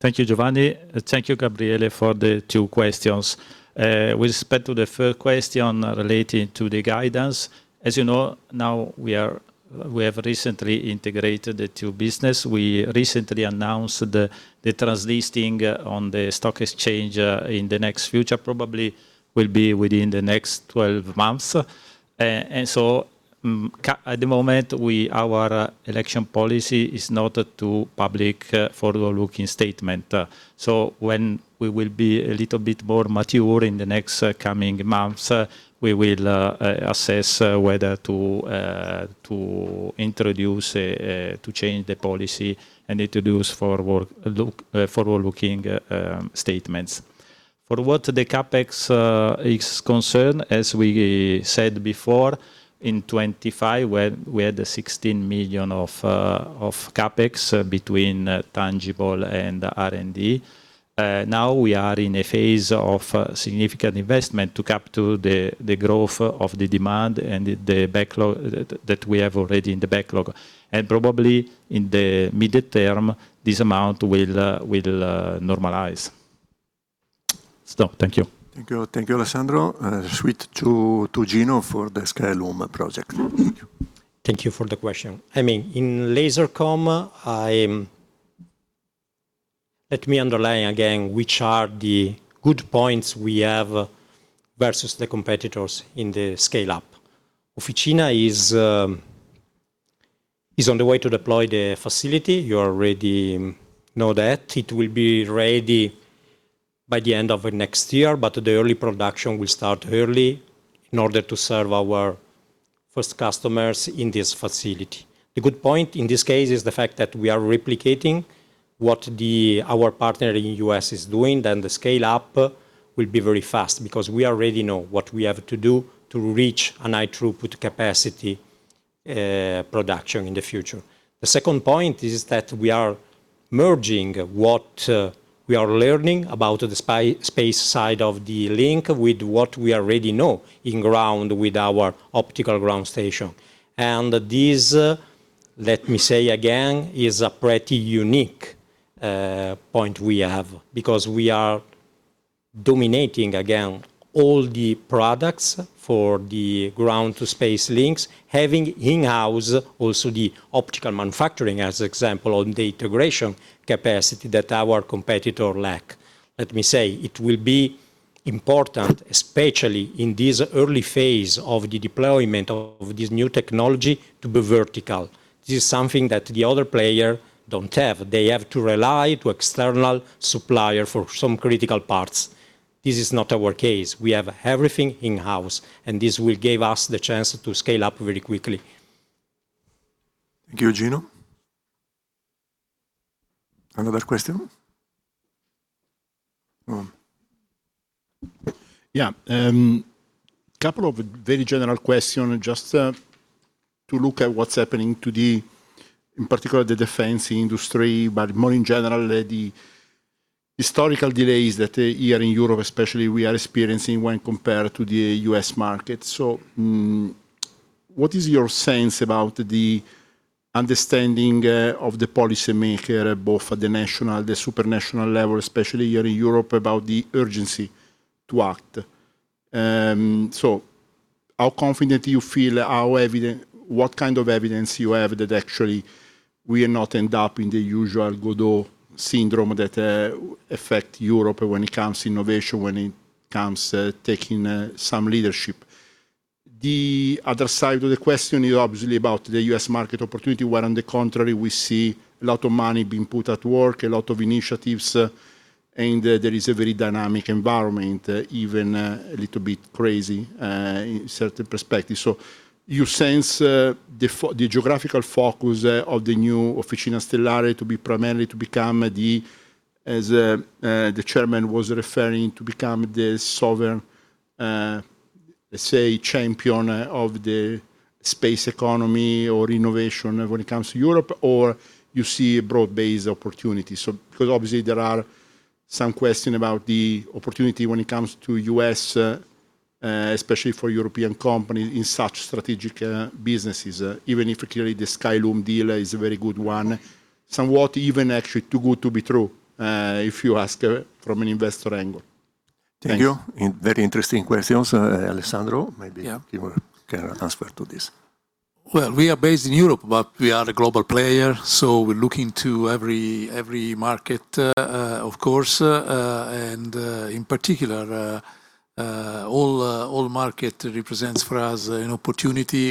Thank you, Giovanni. Thank you, Gabriele, for the two questions. With respect to the first question relating to the guidance, as you know now we have recently integrated the two business. We recently announced the delisting on the stock exchange in the next future, probably will be within the next 12 months. At the moment, our election policy is not to public forward-looking statement. When we will be a little bit more mature in the next coming months, we will assess whether to change the policy and introduce forward-looking statements. For what the CapEx is concerned, as we said before, in 2025 we had the 16 million of CapEx between tangible and R&D. Now we are in a phase of significant investment to capture the growth of the demand and the backlog that we have already in the backlog. Probably in the mid-term, this amount will normalize. Stop. Thank you. Thank you. Thank you, Alessandro. Switch to Gino for the Skyloom project. Thank you for the question. In Lasercom, let me underline again which are the good points we have versus the competitors in the scale-up. Officina is on the way to deploy the facility. You already know that. It will be ready by the end of next year, but the early production will start early in order to serve our first customers in this facility. The good point in this case is the fact that we are replicating what our partner in U.S. is doing. The scale-up will be very fast because we already know what we have to do to reach a high throughput capacity production in the future. The second point is that we are merging what we are learning about the space side of the link with what we already know in ground with our optical ground station. Let me say again, this is a pretty unique point we have because we are dominating again all the products for the ground-to-space links, having in-house also the optical manufacturing, as example, and the integration capacity that our competitor lack. Let me say, it will be important, especially in this early phase of the deployment of this new technology, to be vertical. This is something that the other player don't have. They have to rely to external supplier for some critical parts. This is not our case. We have everything in-house. This will give us the chance to scale up very quickly. Thank you, Gino. Another question? Yeah. Couple of very general question, just to look at what's happening to the, in particular, the defense industry, but more in general, the historical delays that here in Europe especially, we are experiencing when compared to the U.S. market. What is your sense about the understanding of the policymaker, both at the national, the supernational level, especially here in Europe, about the urgency to act? How confident do you feel? What kind of evidence you have that actually we will not end up in the usual Godot syndrome that affect Europe when it comes to innovation, when it comes to taking some leadership? The other side of the question is obviously about the U.S. market opportunity, where, on the contrary, we see a lot of money being put at work, a lot of initiatives, and there is a very dynamic environment, even a little bit crazy in certain perspective. You sense the geographical focus of the new Officina Stellare to be primarily to become, as the Chairman was referring, to become the sovereign, let's say, champion of the space economy or innovation when it comes to Europe, or you see broad-based opportunities? Because obviously there are some question about the opportunity when it comes to U.S., especially for European company in such strategic businesses, even if clearly the Skyloom deal is a very good one, somewhat even actually too good to be true, if you ask from an investor angle. Thanks. Thank you. Very interesting questions. Alessandro, Yeah you can answer to this. We are based in Europe, but we are a global player, we're looking to every market, of course, and in particular, all market represents for us an opportunity,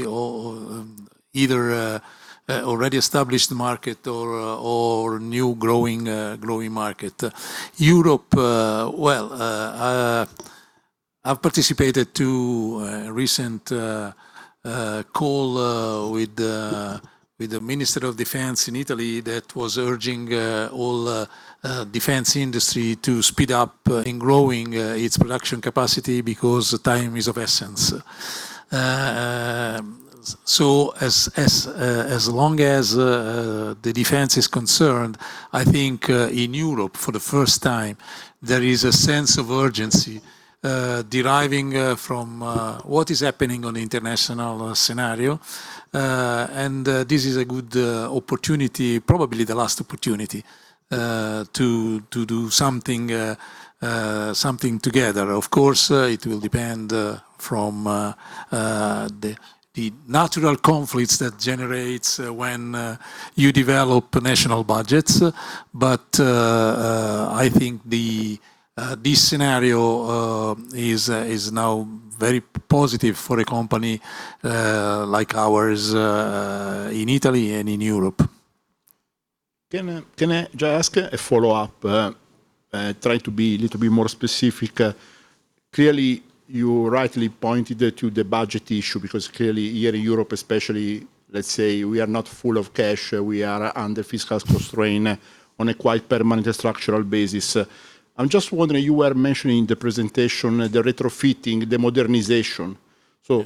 either already established market or new growing market. Europe, I've participated to a recent call with the Minister of Defense in Italy that was urging all defense industry to speed up in growing its production capacity because time is of essence. As long as the defense is concerned, I think, in Europe, for the first time, there is a sense of urgency deriving from what is happening on international scenario. This is a good opportunity, probably the last opportunity, to do something together. It will depend from the natural conflicts that generates when you develop national budgets. I think this scenario is now very positive for a company like ours in Italy and in Europe. Can I just ask a follow-up? Trying to be a little bit more specific. Clearly, you rightly pointed to the budget issue because clearly here in Europe especially, we are not full of cash. We are under fiscal constraint on a quite permanent structural basis. I'm just wondering, you were mentioning the presentation, the retrofitting, the modernization. Yeah.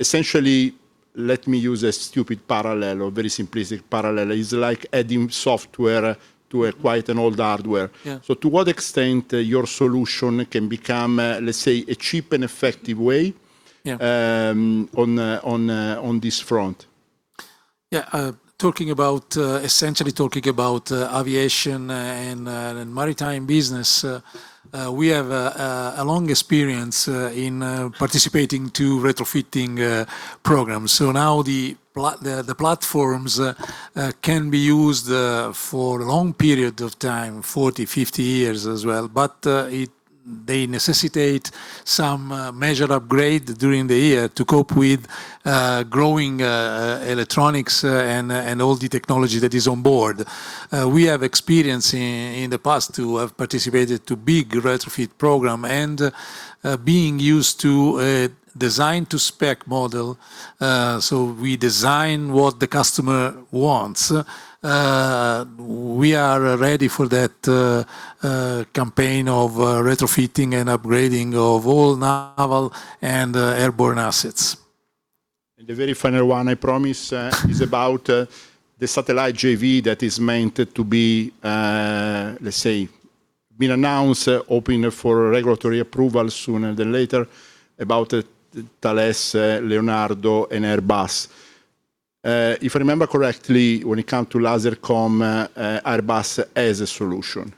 Essentially, let me use a stupid parallel or very simplistic parallel, is like adding software to a quite an old hardware. Yeah. to what extent your solution can become, let's say, a cheap and effective way. Yeah on this front? Yeah. Essentially talking about aviation and maritime business, we have a long experience in participating to retrofitting programs. Now the platforms can be used for long period of time, 40, 50 years as well. They necessitate some major upgrade during the year to cope with growing electronics and all the technology that is on board. We have experience in the past to have participated to big retrofit program and being used to a design-to-spec model, so we design what the customer wants. We are ready for that campaign of retrofitting and upgrading of all naval and airborne assets. The very final one, I promise, is about the satellite JV that is meant to be, let's say Been announced, hoping for regulatory approval sooner than later, about Thales, Leonardo, and Airbus. If I remember correctly, when it comes to laser comms, Airbus has an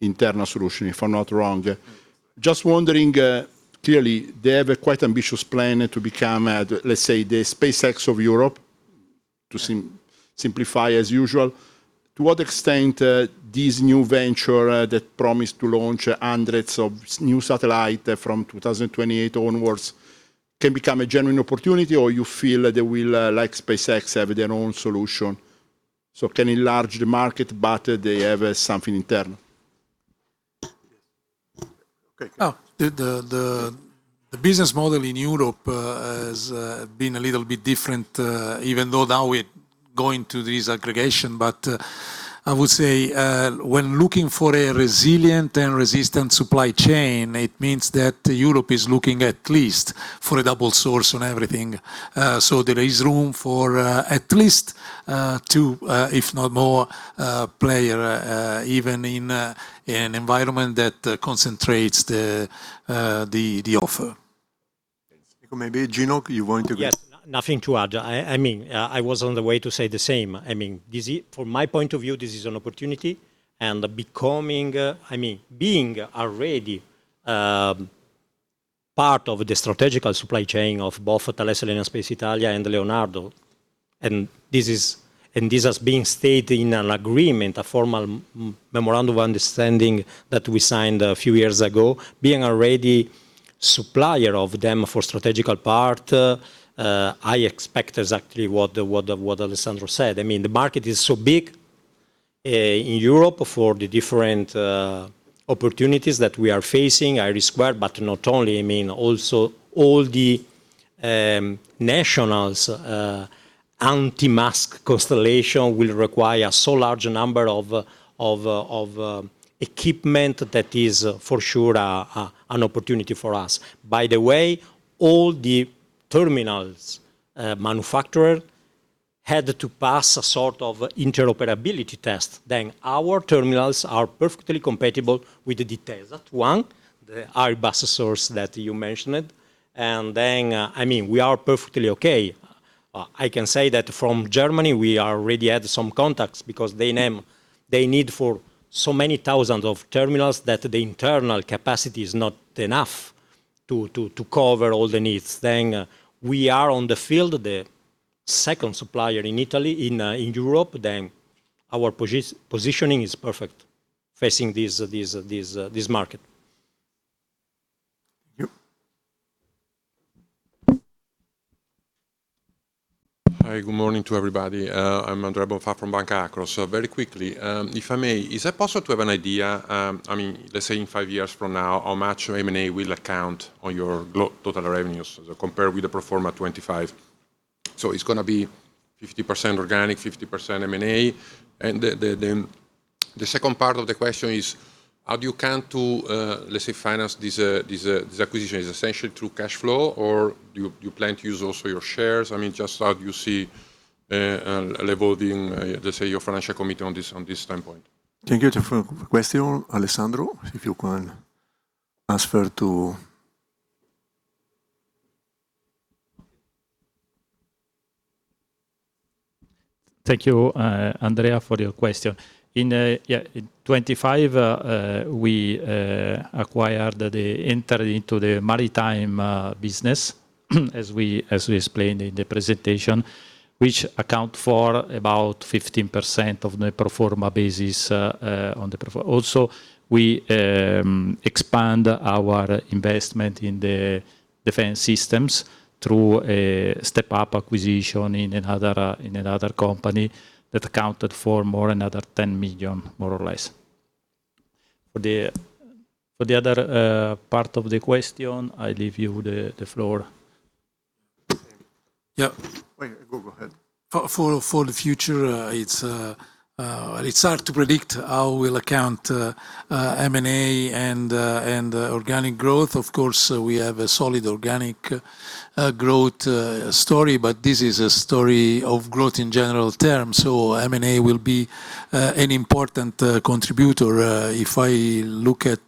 internal solution, if I'm not wrong. Just wondering, clearly, they have a quite ambitious plan to become, let's say, the SpaceX of Europe, to simplify, as usual. To what extent this new venture that promised to launch hundreds of new satellites from 2028 onwards can become a genuine opportunity? You feel they will, like SpaceX, have their own solution, so can enlarge the market, but they have something internal? Okay. The business model in Europe has been a little bit different, even though now we're going to this aggregation. I would say, when looking for a resilient and resistant supply chain, it means that Europe is looking at least for a double source on everything. There is room for at least two, if not more, players, even in an environment that concentrates the offer. Maybe Gino, you want to? Yes. Nothing to add. I was on the way to say the same. From my point of view, this is an opportunity, and being already part of the strategical supply chain of both Thales Alenia Space Italia and Leonardo, and this has been stated in an agreement, a formal memorandum of understanding that we signed a few years ago. Being already supplier of them for strategical part, I expect exactly what Alessandro said. The market is so big in Europe for the different opportunities that we are facing. IRIS², but not only, also all the nationals' anti-mask constellation will require so large a number of equipment that is for sure an opportunity for us. By the way, all the terminals manufacturer had to pass a sort of interoperability test. Our terminals are perfectly compatible with the details. That one, the Airbus source that you mentioned. We are perfectly okay. I can say that from Germany, we already had some contacts, because they need for so many thousands of terminals that the internal capacity is not enough to cover all the needs. We are, on the field, the second supplier in Italy, in Europe. Our positioning is perfect facing this market. Thank you. Hi. Good morning to everybody. I'm Andrea Bonfà from Banca Akros. Very quickly, if I may, is it possible to have an idea, let's say in five years from now, how much your M&A will account on your total revenues compared with the pro forma 2025? It's going to be 50% organic, 50% M&A. The second part of the question is, how do you count to, let's say, finance this acquisition? Is it essentially through cash flow, or do you plan to use also your shares? Just how do you see, level the, let's say, your financial commitment on this standpoint? Thank you for your question. Alessandro, if you can answer to Thank you, Andrea, for your question. In 2025, we acquired the entry into the maritime business, as we explained in the presentation, which account for about 15% of the pro forma basis on the pro forma. Also, we expand our investment in the defense systems through a step-up acquisition in another company that accounted for more another 10 million, more or less. For the other part of the question, I leave you the floor. Yeah. Go ahead. For the future, it's hard to predict how we'll account for M&A and organic growth. Of course, we have a solid organic growth story, but this is a story of growth in general terms. M&A will be an important contributor. If I look at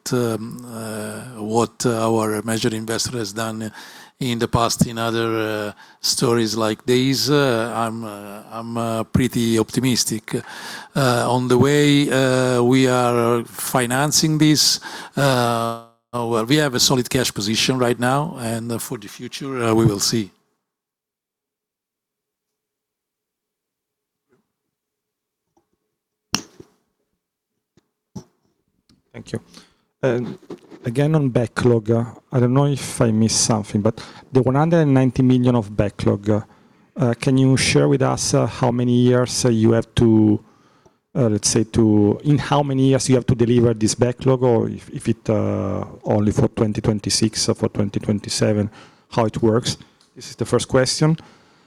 what our major investor has done in the past in other stories like this, I'm pretty optimistic. On the way we are financing this, we have a solid cash position right now, and for the future, we will see. Thank you. Again, on backlog. I don't know if I missed something, but the 190 million of backlog, can you share with us how many years you have to, let's say, in how many years you have to deliver this backlog, or if it only for 2026 or for 2027, how it works? This is the first question.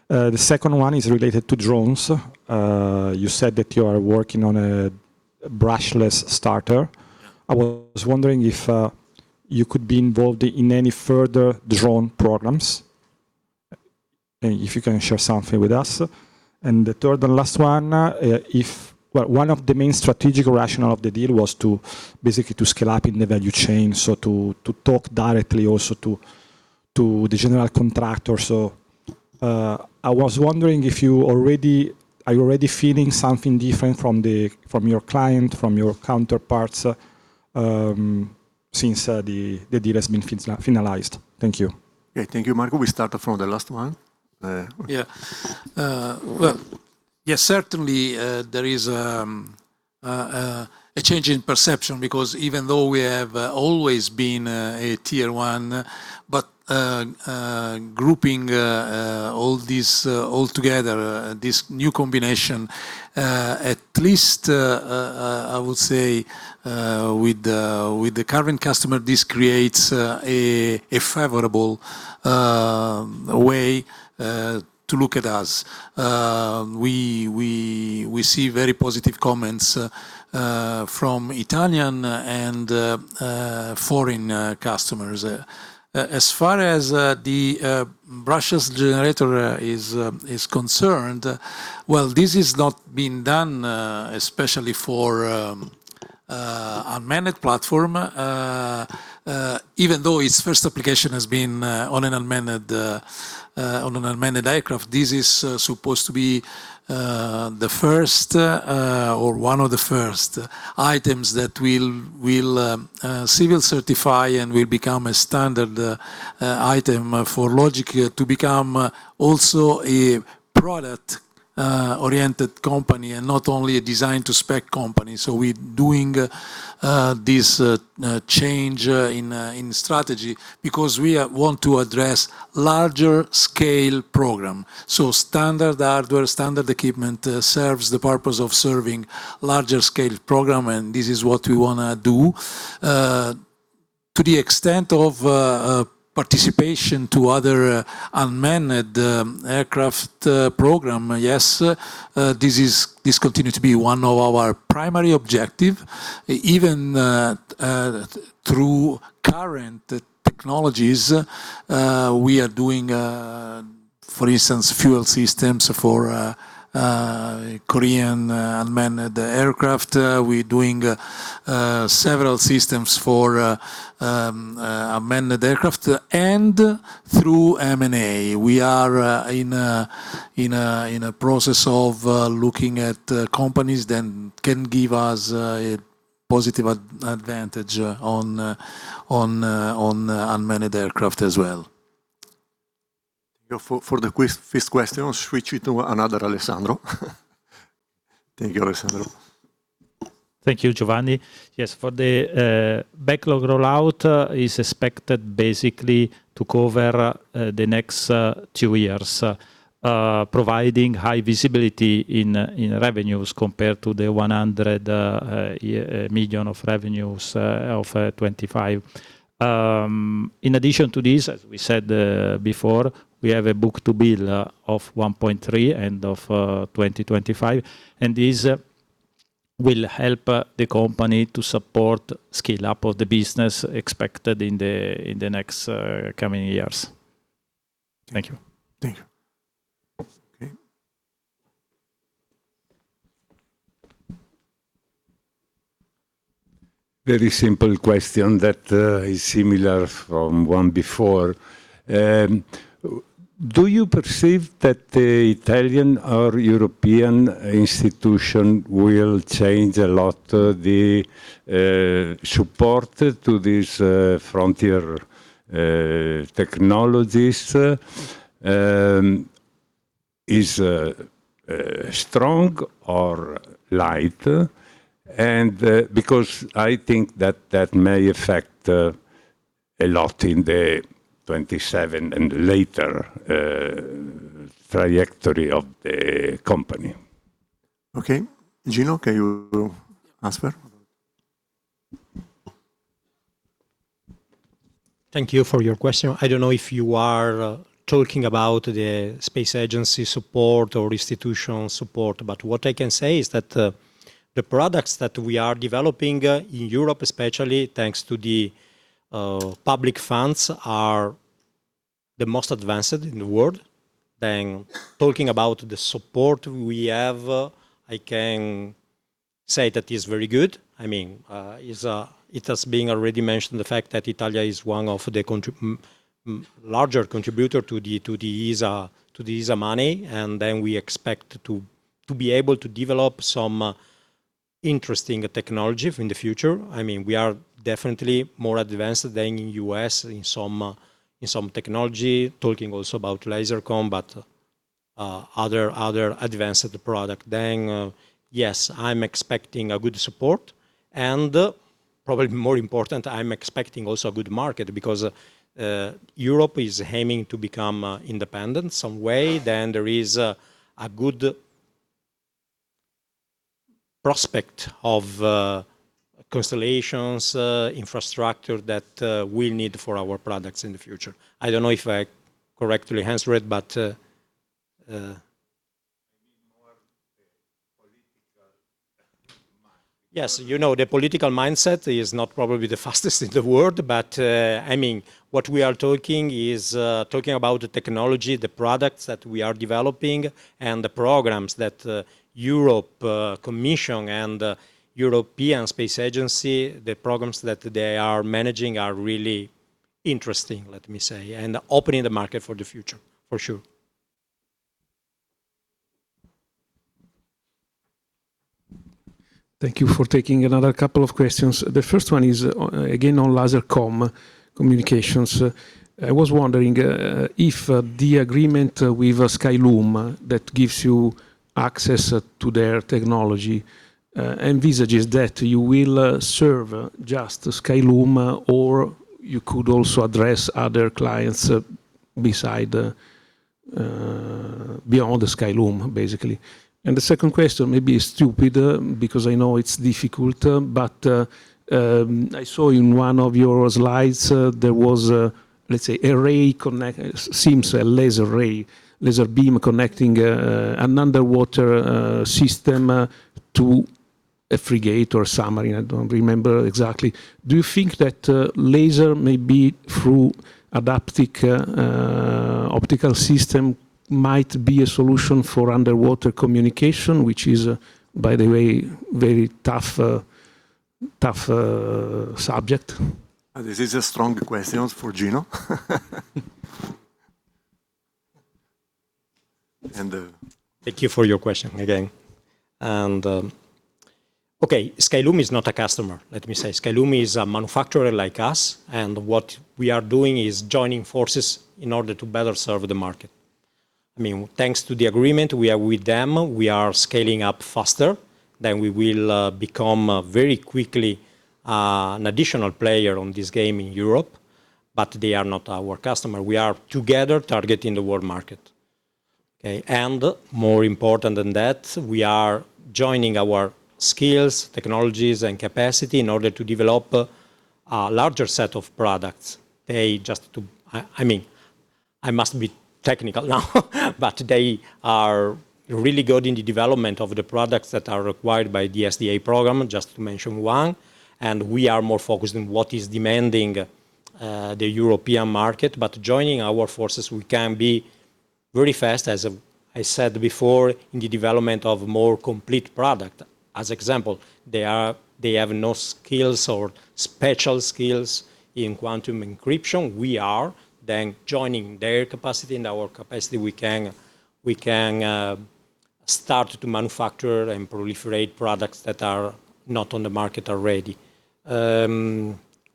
The second one is related to drones. You said that you are working on a brushless starter. I was wondering if you could be involved in any further drone programs? If you can share something with us. The third and last one of the main strategic rationale of the deal was basically to scale up in the value chain, to talk directly also to the general contractor. I was wondering if you are already feeling something different from your client, from your counterparts since the deal has been finalized. Thank you. Thank you, Marco. We start from the last one. Certainly, there is a change in perception because even though we have always been a Tier 1, but grouping all together, this new combination, at least, I would say, with the current customer, this creates a favorable way to look at us. We see very positive comments from Italian and foreign customers. As far as the brushless generator is concerned, well, this is not being done especially for unmanned platform. Even though its first application has been on an unmanned aircraft, this is supposed to be the first, or one of the first items that we'll civil certify and will become a standard item for Logic to become also a product-oriented company and not only a design-to-spec company. We're doing this change in strategy because we want to address larger scale program. Standard hardware, standard equipment serves the purpose of serving larger scale program, and this is what we want to do. To the extent of participation to other unmanned aircraft program, yes, this continues to be one of our primary objective. Even through current technologies, we are doing, for instance, fuel systems for Korean unmanned aircraft. We're doing several systems for unmanned aircraft, and through M&A. We are in a process of looking at companies that can give us a positive advantage on unmanned aircraft as well. For the fifth question, I'll switch it to another Alessandro. Thank you, Alessandro. Thank you, Giovanni. Yes, for the backlog rollout is expected basically to cover the next two years, providing high visibility in revenues compared to the 100 million of revenues of 2025. In addition to this, as we said before, we have a book-to-bill of 1.3 end of 2025. This will help the company to support scale-up of the business expected in the next coming years. Thank you. Thank you. Okay. Very simple question that is similar from one before. Do you perceive that the Italian or European institution will change a lot the support to these frontier technologies? Is strong or light? Because I think that that may affect a lot in the 2027 and later trajectory of the company. Okay. Gino, can you answer? Thank you for your question. I don't know if you are talking about the space agency support or institutional support, but what I can say is that the products that we are developing in Europe, especially thanks to the public funds, are the most advanced in the world. Talking about the support we have, I can say that it's very good. It has been already mentioned, the fact that Italy is one of the larger contributor to the ESA money, we expect to be able to develop some interesting technology in the future. We are definitely more advanced than U.S. in some technology, talking also about laser communication, but other advanced product. Yes, I'm expecting a good support, and probably more important, I'm expecting also a good market because Europe is aiming to become independent some way. There is a good prospect of constellations infrastructure that we'll need for our products in the future. I don't know if I correctly answered it. Yes. The political mindset is not probably the fastest in the world, but what we are talking is talking about the technology, the products that we are developing, and the programs that Europe Commission and European Space Agency, the programs that they are managing are really interesting, let me say, and opening the market for the future, for sure. Thank you for taking another couple of questions. The first one is, again, on laser communication. I was wondering if the agreement with Skyloom that gives you access to their technology envisages that you will serve just Skyloom, or you could also address other clients beyond Skyloom, basically. The second question may be stupid, because I know it's difficult, but I saw in one of your slides, there was, let's say, It seems a laser ray, laser beam connecting an underwater system to a frigate or submarine. I don't remember exactly. Do you think that laser may be through adaptive optical system might be a solution for underwater communication, which is, by the way, very tough subject? This is a strong question for Gino. Thank you for your question again. Okay, Skyloom is not a customer, let me say. Skyloom is a manufacturer like us. What we are doing is joining forces in order to better serve the market. Thanks to the agreement, we are with them. We are scaling up faster. We will become very quickly an additional player on this game in Europe. They are not our customer. We are together targeting the world market. Okay. More important than that, we are joining our skills, technologies, and capacity in order to develop a larger set of products. I mustn't be technical now, but they are really good in the development of the products that are required by the SDA program, just to mention one. We are more focused on what is demanding the European market. Joining our forces, we can be very fast, as I said before, in the development of more complete product. As example, they have no skills or special skills in quantum encryption. We are. Joining their capacity and our capacity, we can start to manufacture and proliferate products that are not on the market already.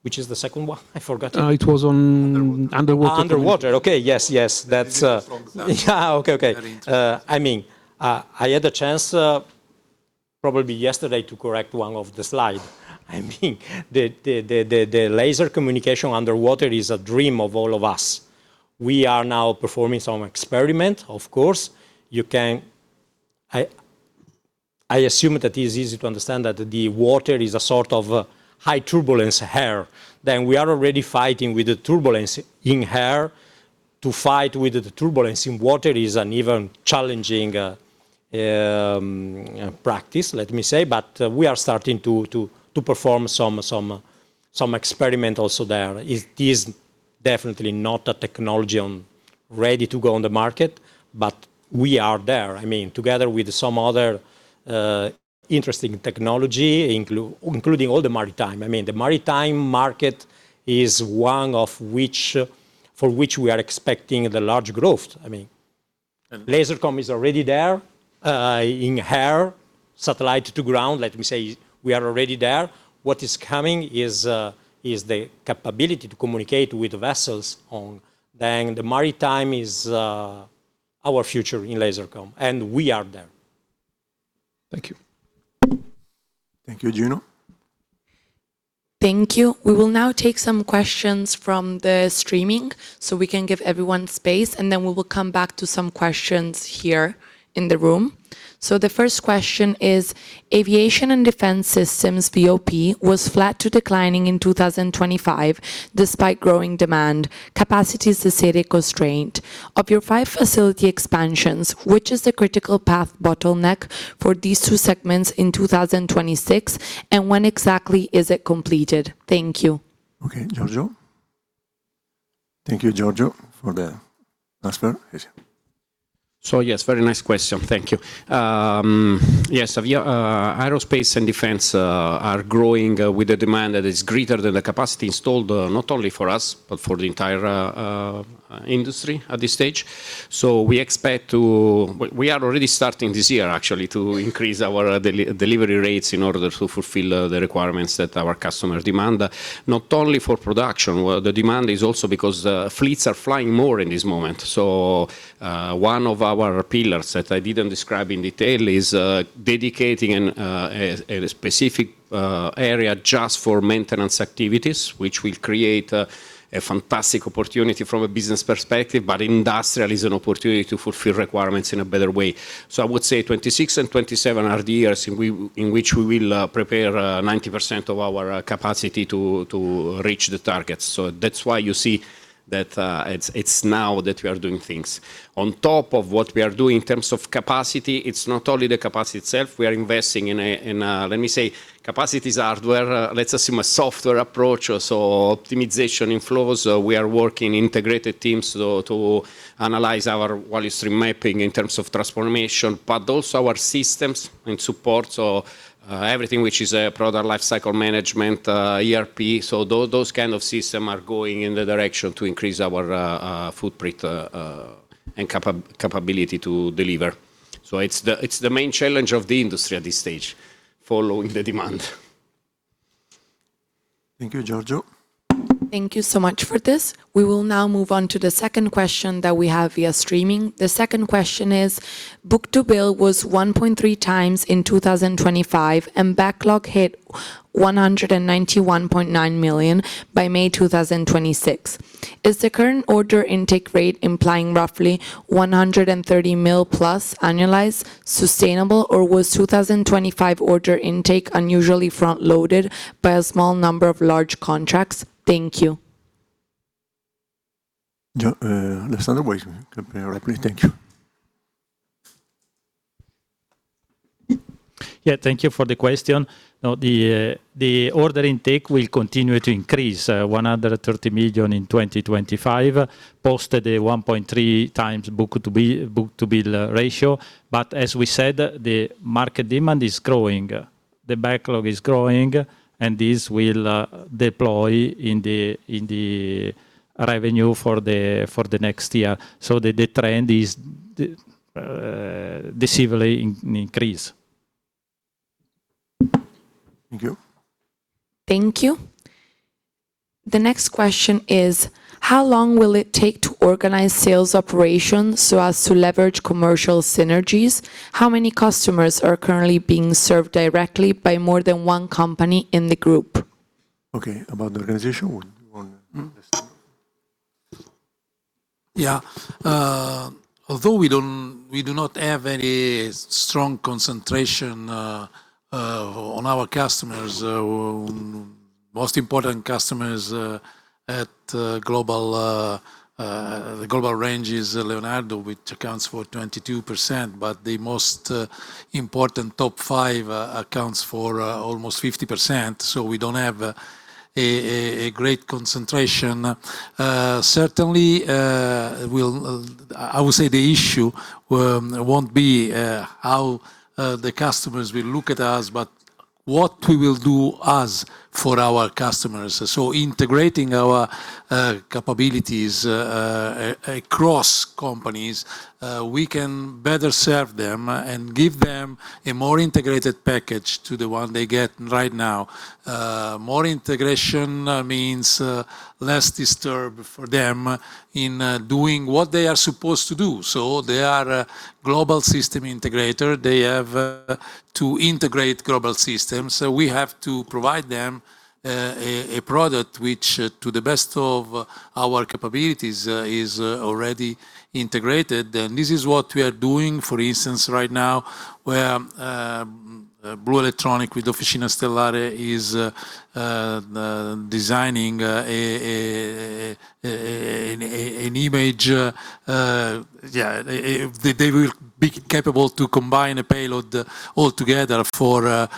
Which is the second one? I forgot. It was on- Underwater underwater. Underwater. Okay. Yes. This is a strong example. Yeah. Okay. Very interesting. I had a chance, probably yesterday, to correct one of the slide. The laser communication underwater is a dream of all of us. We are now performing some experiment, of course. I assume that it is easy to understand that the water is a sort of high turbulence air. We are already fighting with the turbulence in air. To fight with the turbulence in water is an even challenging practice, let me say, but we are starting to perform some experiment also there. It is definitely not a technology ready to go on the market, but we are there. Together with some other interesting technology, including all the maritime. The maritime market is one for which we are expecting the large growth. Laser comm is already there in air, satellite to ground, let me say, we are already there. What is coming is the capability to communicate with vessels on. The maritime is our future in laser communication, and we are there. Thank you. Thank you, Gino. Thank you. We will now take some questions from the streaming so we can give everyone space, and then we will come back to some questions here in the room. The first question is, aviation and defense systems VoP was flat to declining in 2025 despite growing demand. Capacity is the capacity constraint. Of your five facility expansions, which is the critical path bottleneck for these two segments in 2026, and when exactly is it completed? Thank you. Okay, Giorgio. Thank you, Giorgio, for the last part. Yes, very nice question. Thank you. Yes. Aerospace and defense are growing with the demand that is greater than the capacity installed, not only for us, but for the entire industry at this stage. We are already starting this year, actually, to increase our delivery rates in order to fulfill the requirements that our customers demand, not only for production. Well, the demand is also because fleets are flying more in this moment. One of our pillars that I didn't describe in detail is dedicating a specific area just for maintenance activities, which will create a fantastic opportunity from a business perspective. Industrial is an opportunity to fulfill requirements in a better way. I would say 2026 and 2027 are the years in which we will prepare 90% of our capacity to reach the targets. That's why you see That it's now that we are doing things. On top of what we are doing in terms of capacity, it's not only the capacity itself, we are investing in, let me say, capacities hardware, let's assume a software approach, optimization in flows. We are working integrated teams to analyze our value stream mapping in terms of transformation, also our systems and support. Everything which is a product lifecycle management, ERP. Those kind of system are going in the direction to increase our footprint and capability to deliver. It's the main challenge of the industry at this stage, following the demand. Thank you, Giorgio. Thank you so much for this. We will now move on to the second question that we have via streaming. The second question is, book-to-bill was 1.3 times in 2025 and backlog hit 191.9 million by May 2026. Is the current order intake rate implying roughly 130+ million annualized sustainable, or was 2025 order intake unusually front-loaded by a small number of large contracts? Thank you. Alessandro Agosti, please. [inaudible] Thank you. Yeah, thank you for the question. The order intake will continue to increase, 130 million in 2025, posted a 1.3 times book-to-bill ratio. As we said, the market demand is growing. The backlog is growing, this will deploy in the revenue for the next year. The trend is decisively increase. Thank you. Thank you. The next question is, how long will it take to organize sales operations so as to leverage commercial synergies? How many customers are currently being served directly by more than one company in the group? About the organization, one second. Yeah. Although we do not have any strong concentration on our customers, most important customers at the global range is Leonardo, which accounts for 22%, but the most important top five accounts for almost 50%. We don't have a great concentration. Certainly, I would say the issue won't be how the customers will look at us, but what we will do us for our customers. Integrating our capabilities across companies, we can better serve them and give them a more integrated package to the one they get right now. More integration means less disturb for them in doing what they are supposed to do. They are a global system integrator. They have to integrate global systems. We have to provide them a product which, to the best of our capabilities, is already integrated. This is what we are doing, for instance, right now, where Blu Electronic with Officina Stellare is designing an image. They will be capable to combine a payload all together for a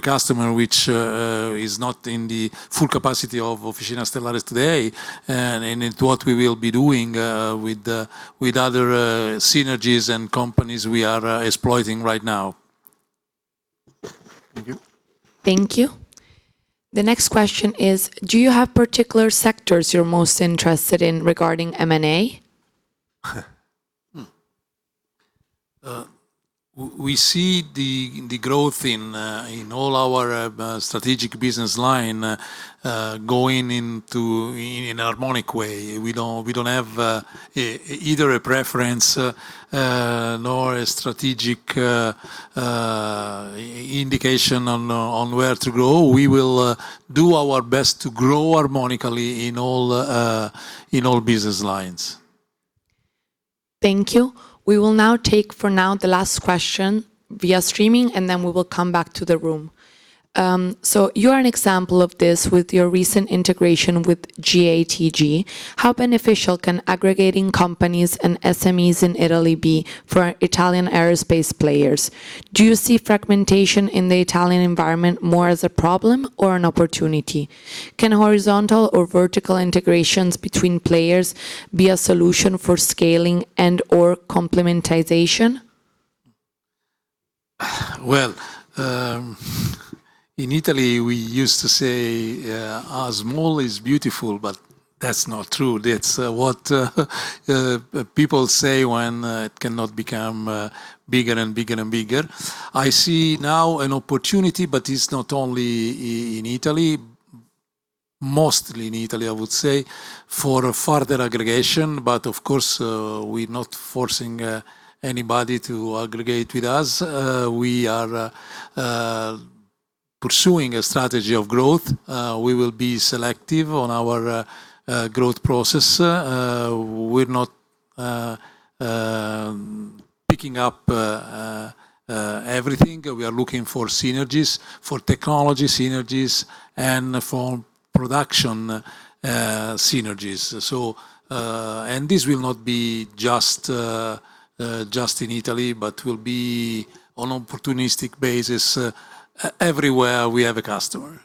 customer, which is not in the full capacity of Officina Stellare today, and it's what we will be doing with other synergies and companies we are exploiting right now. Thank you. Thank you. The next question is, do you have particular sectors you're most interested in regarding M&A? We see the growth in all our strategic business line going in a harmonic way. We don't have either a preference, nor a strategic indication on where to grow. We will do our best to grow harmonically in all business lines. Thank you. We will now take, for now, the last question via streaming, and then we will come back to the room. You're an example of this with your recent integration with GATG. How beneficial can aggregating companies and SMEs in Italy be for Italian aerospace players? Do you see fragmentation in the Italian environment more as a problem or an opportunity? Can horizontal or vertical integrations between players be a solution for scaling and/or complementization? In Italy, we used to say small is beautiful, but that's not true. That's what people say when it cannot become bigger and bigger and bigger. I see now an opportunity, but it's not only in Italy, mostly in Italy, I would say, for a further aggregation. Of course, we're not forcing anybody to aggregate with us. We are pursuing a strategy of growth. We will be selective on our growth process. Picking up everything, we are looking for synergies, for technology synergies and for production synergies. This will not be just in Italy, but will be on opportunistic basis everywhere we have a customer.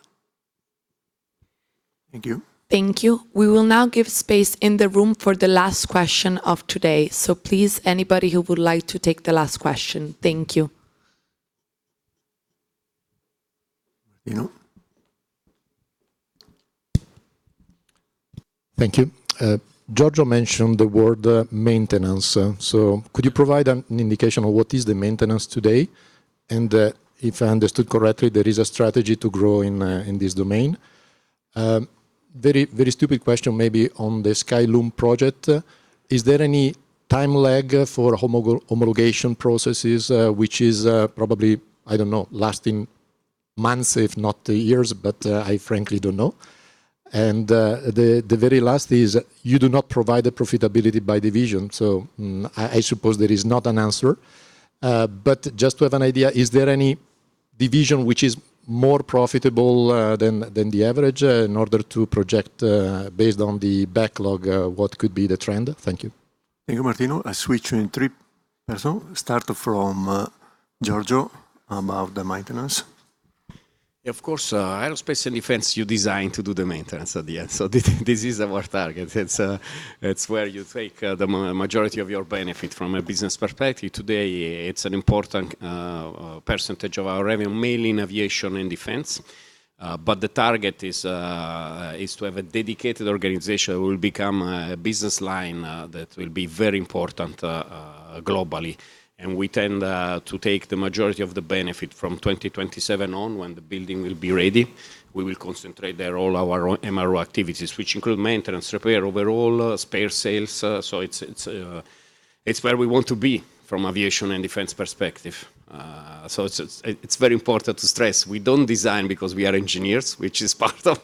Thank you. Thank you. We will now give space in the room for the last question of today. Please, anybody who would like to take the last question. Thank you. Martino. Thank you. Giorgio mentioned the word maintenance. Could you provide an indication of what is the maintenance today? If I understood correctly, there is a strategy to grow in this domain. Very stupid question may be on the Skyloom project, is there any time lag for homologation processes, which is probably, I don't know, lasting months, if not years, but I frankly don't know. The very last is you do not provide the profitability by division, I suppose there is not an answer. Just to have an idea, is there any division which is more profitable than the average in order to project based on the backlog, what could be the trend? Thank you. Thank you, Martino. I switch on three person. Start from Giorgio about the maintenance. Of course, aerospace and defense, you design to do the maintenance at the end. This is our target. It's where you take the majority of your benefit from a business perspective. Today, it's an important percentage of our revenue, mainly in aviation and defense. The target is to have a dedicated organization that will become a business line that will be very important globally. We tend to take the majority of the benefit from 2027 on when the building will be ready. We will concentrate there all our MRO activities, which include maintenance, repair, overall spare sales. It's where we want to be from aviation and defense perspective. It's very important to stress we don't design because we are engineers, which is part of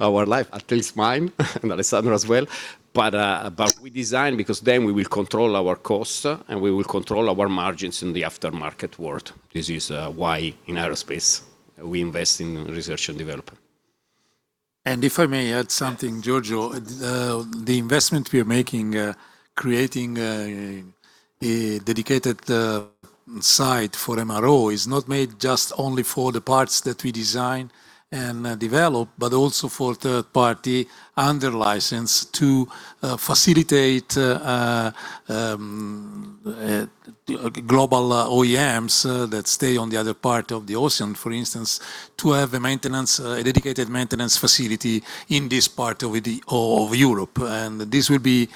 our life, at least mine, and Alessandro as well. We design because then we will control our costs, and we will control our margins in the aftermarket world. This is why in aerospace, we invest in research and development. If I may add something, Giorgio, the investment we are making, creating a dedicated site for MRO is not made just only for the parts that we design and develop, but also for third party under license to facilitate global OEMs that stay on the other part of the ocean, for instance, to have a dedicated maintenance facility in this part of Europe. This will be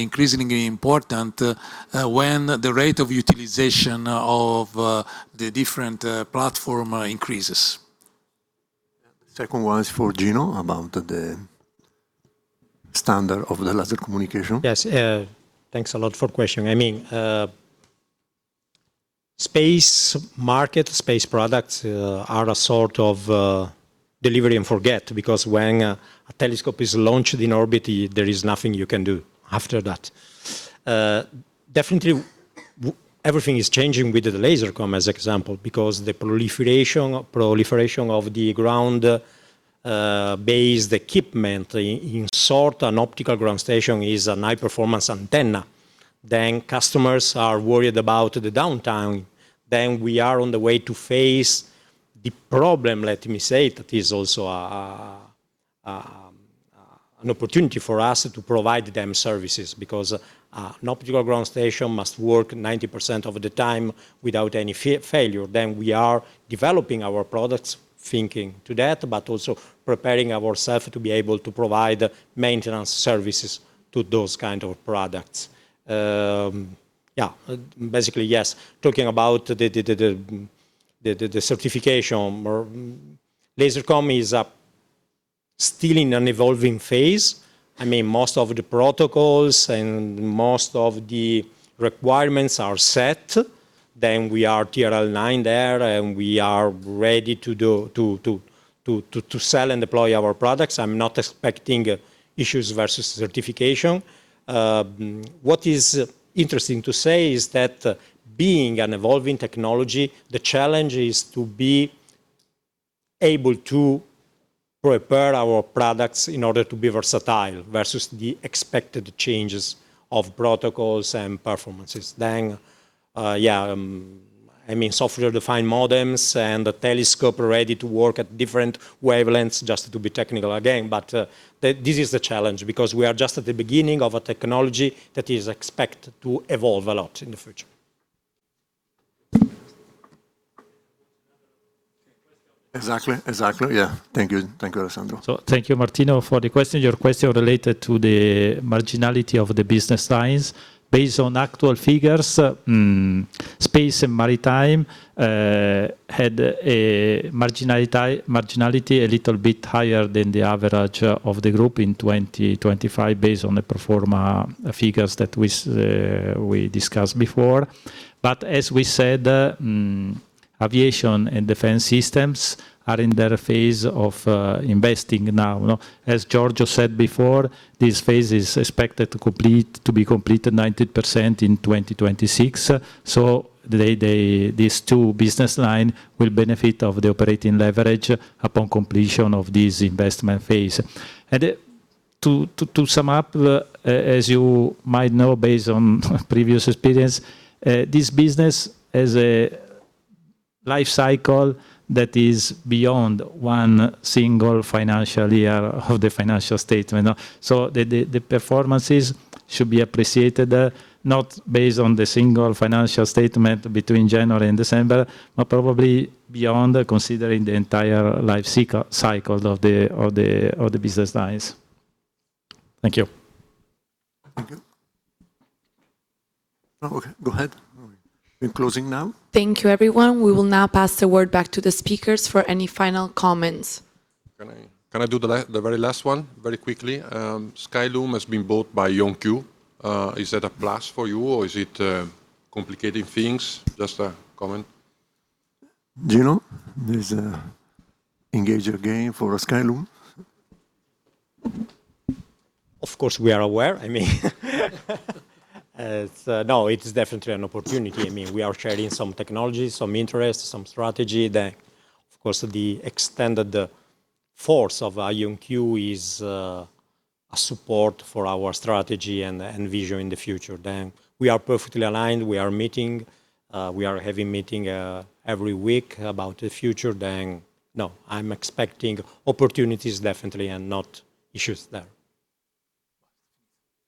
increasingly important when the rate of utilization of the different platform increases. The second one is for Gino about the standard of the laser communication. Yes. Thanks a lot for question. Space market, space products are a sort of deliver and forget, because when a telescope is launched in orbit, there is nothing you can do after that. Definitely, everything is changing with the laser communication as example, because the proliferation of the ground-based equipment, in short, an optical ground station is a high-performance antenna. Customers are worried about the downtime. We are on the way to face the problem, let me say, that is also an opportunity for us to provide them services because an optical ground station must work 90% of the time without any failure. We are developing our products thinking to that, but also preparing ourselves to be able to provide maintenance services to those kind of products. Basically, yes, talking about the certification, laser communication is still in an evolving phase. Most of the protocols and most of the requirements are set. We are TRL9 there, and we are ready to sell and deploy our products. I'm not expecting issues versus certification. What is interesting to say is that being an evolving technology, the challenge is to be able to prepare our products in order to be versatile versus the expected changes of protocols and performances. Software-defined modems and the telescope are ready to work at different wavelengths, just to be technical again. This is the challenge because we are just at the beginning of a technology that is expected to evolve a lot in the future. Exactly. Yeah. Thank you, Alessandro. Thank you, Martino, for the question. Your question related to the marginality of the business lines. Based on actual figures, space and maritime, had a marginality a little bit higher than the average of the group in 2025 based on the pro forma figures that we discussed before. As we said, aviation and defense systems are in their phase of investing now. As Giorgio said before, this phase is expected to be completed 90% in 2026. These two business lines will benefit from the operating leverage upon completion of this investment phase. To sum up, as you might know, based on previous experience, this business has a life cycle that is beyond one single financial year of the financial statement. The performances should be appreciated, not based on the single financial statement between January and December, but probably beyond considering the entire life cycle of the business lines. Thank you. Thank you. No, go ahead. We're closing now. Thank you, everyone. We will now pass the word back to the speakers for any final comments. Can I do the very last one, very quickly? Skyloom has been bought by IonQ. Is that a plus for you, or is it complicating things? Just a comment. Gino, there's an engaged again for Skyloom. Of course, we are aware. No, it is definitely an opportunity. We are sharing some technology, some interests, some strategy. Of course, the extended force of IonQ is a support for our strategy and vision in the future. We are perfectly aligned. We are meeting. We are having a meeting every week about the future. No, I'm expecting opportunities, definitely, and not issues there.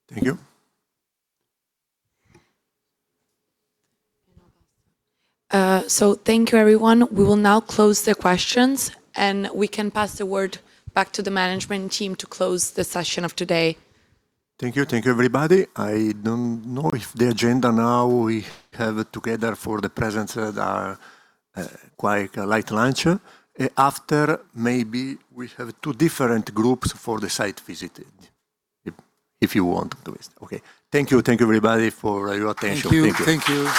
Thank you. Thank you, everyone. We will now close the questions, and we can pass the word back to the management team to close the session of today. Thank you. Thank you, everybody. I don't know if the agenda now we have together for the presence that are quite a light lunch. After, maybe we have two different groups for the site visit, if you want. Okay. Thank you. Thank you, everybody, for your attention. Thank you. Thank you.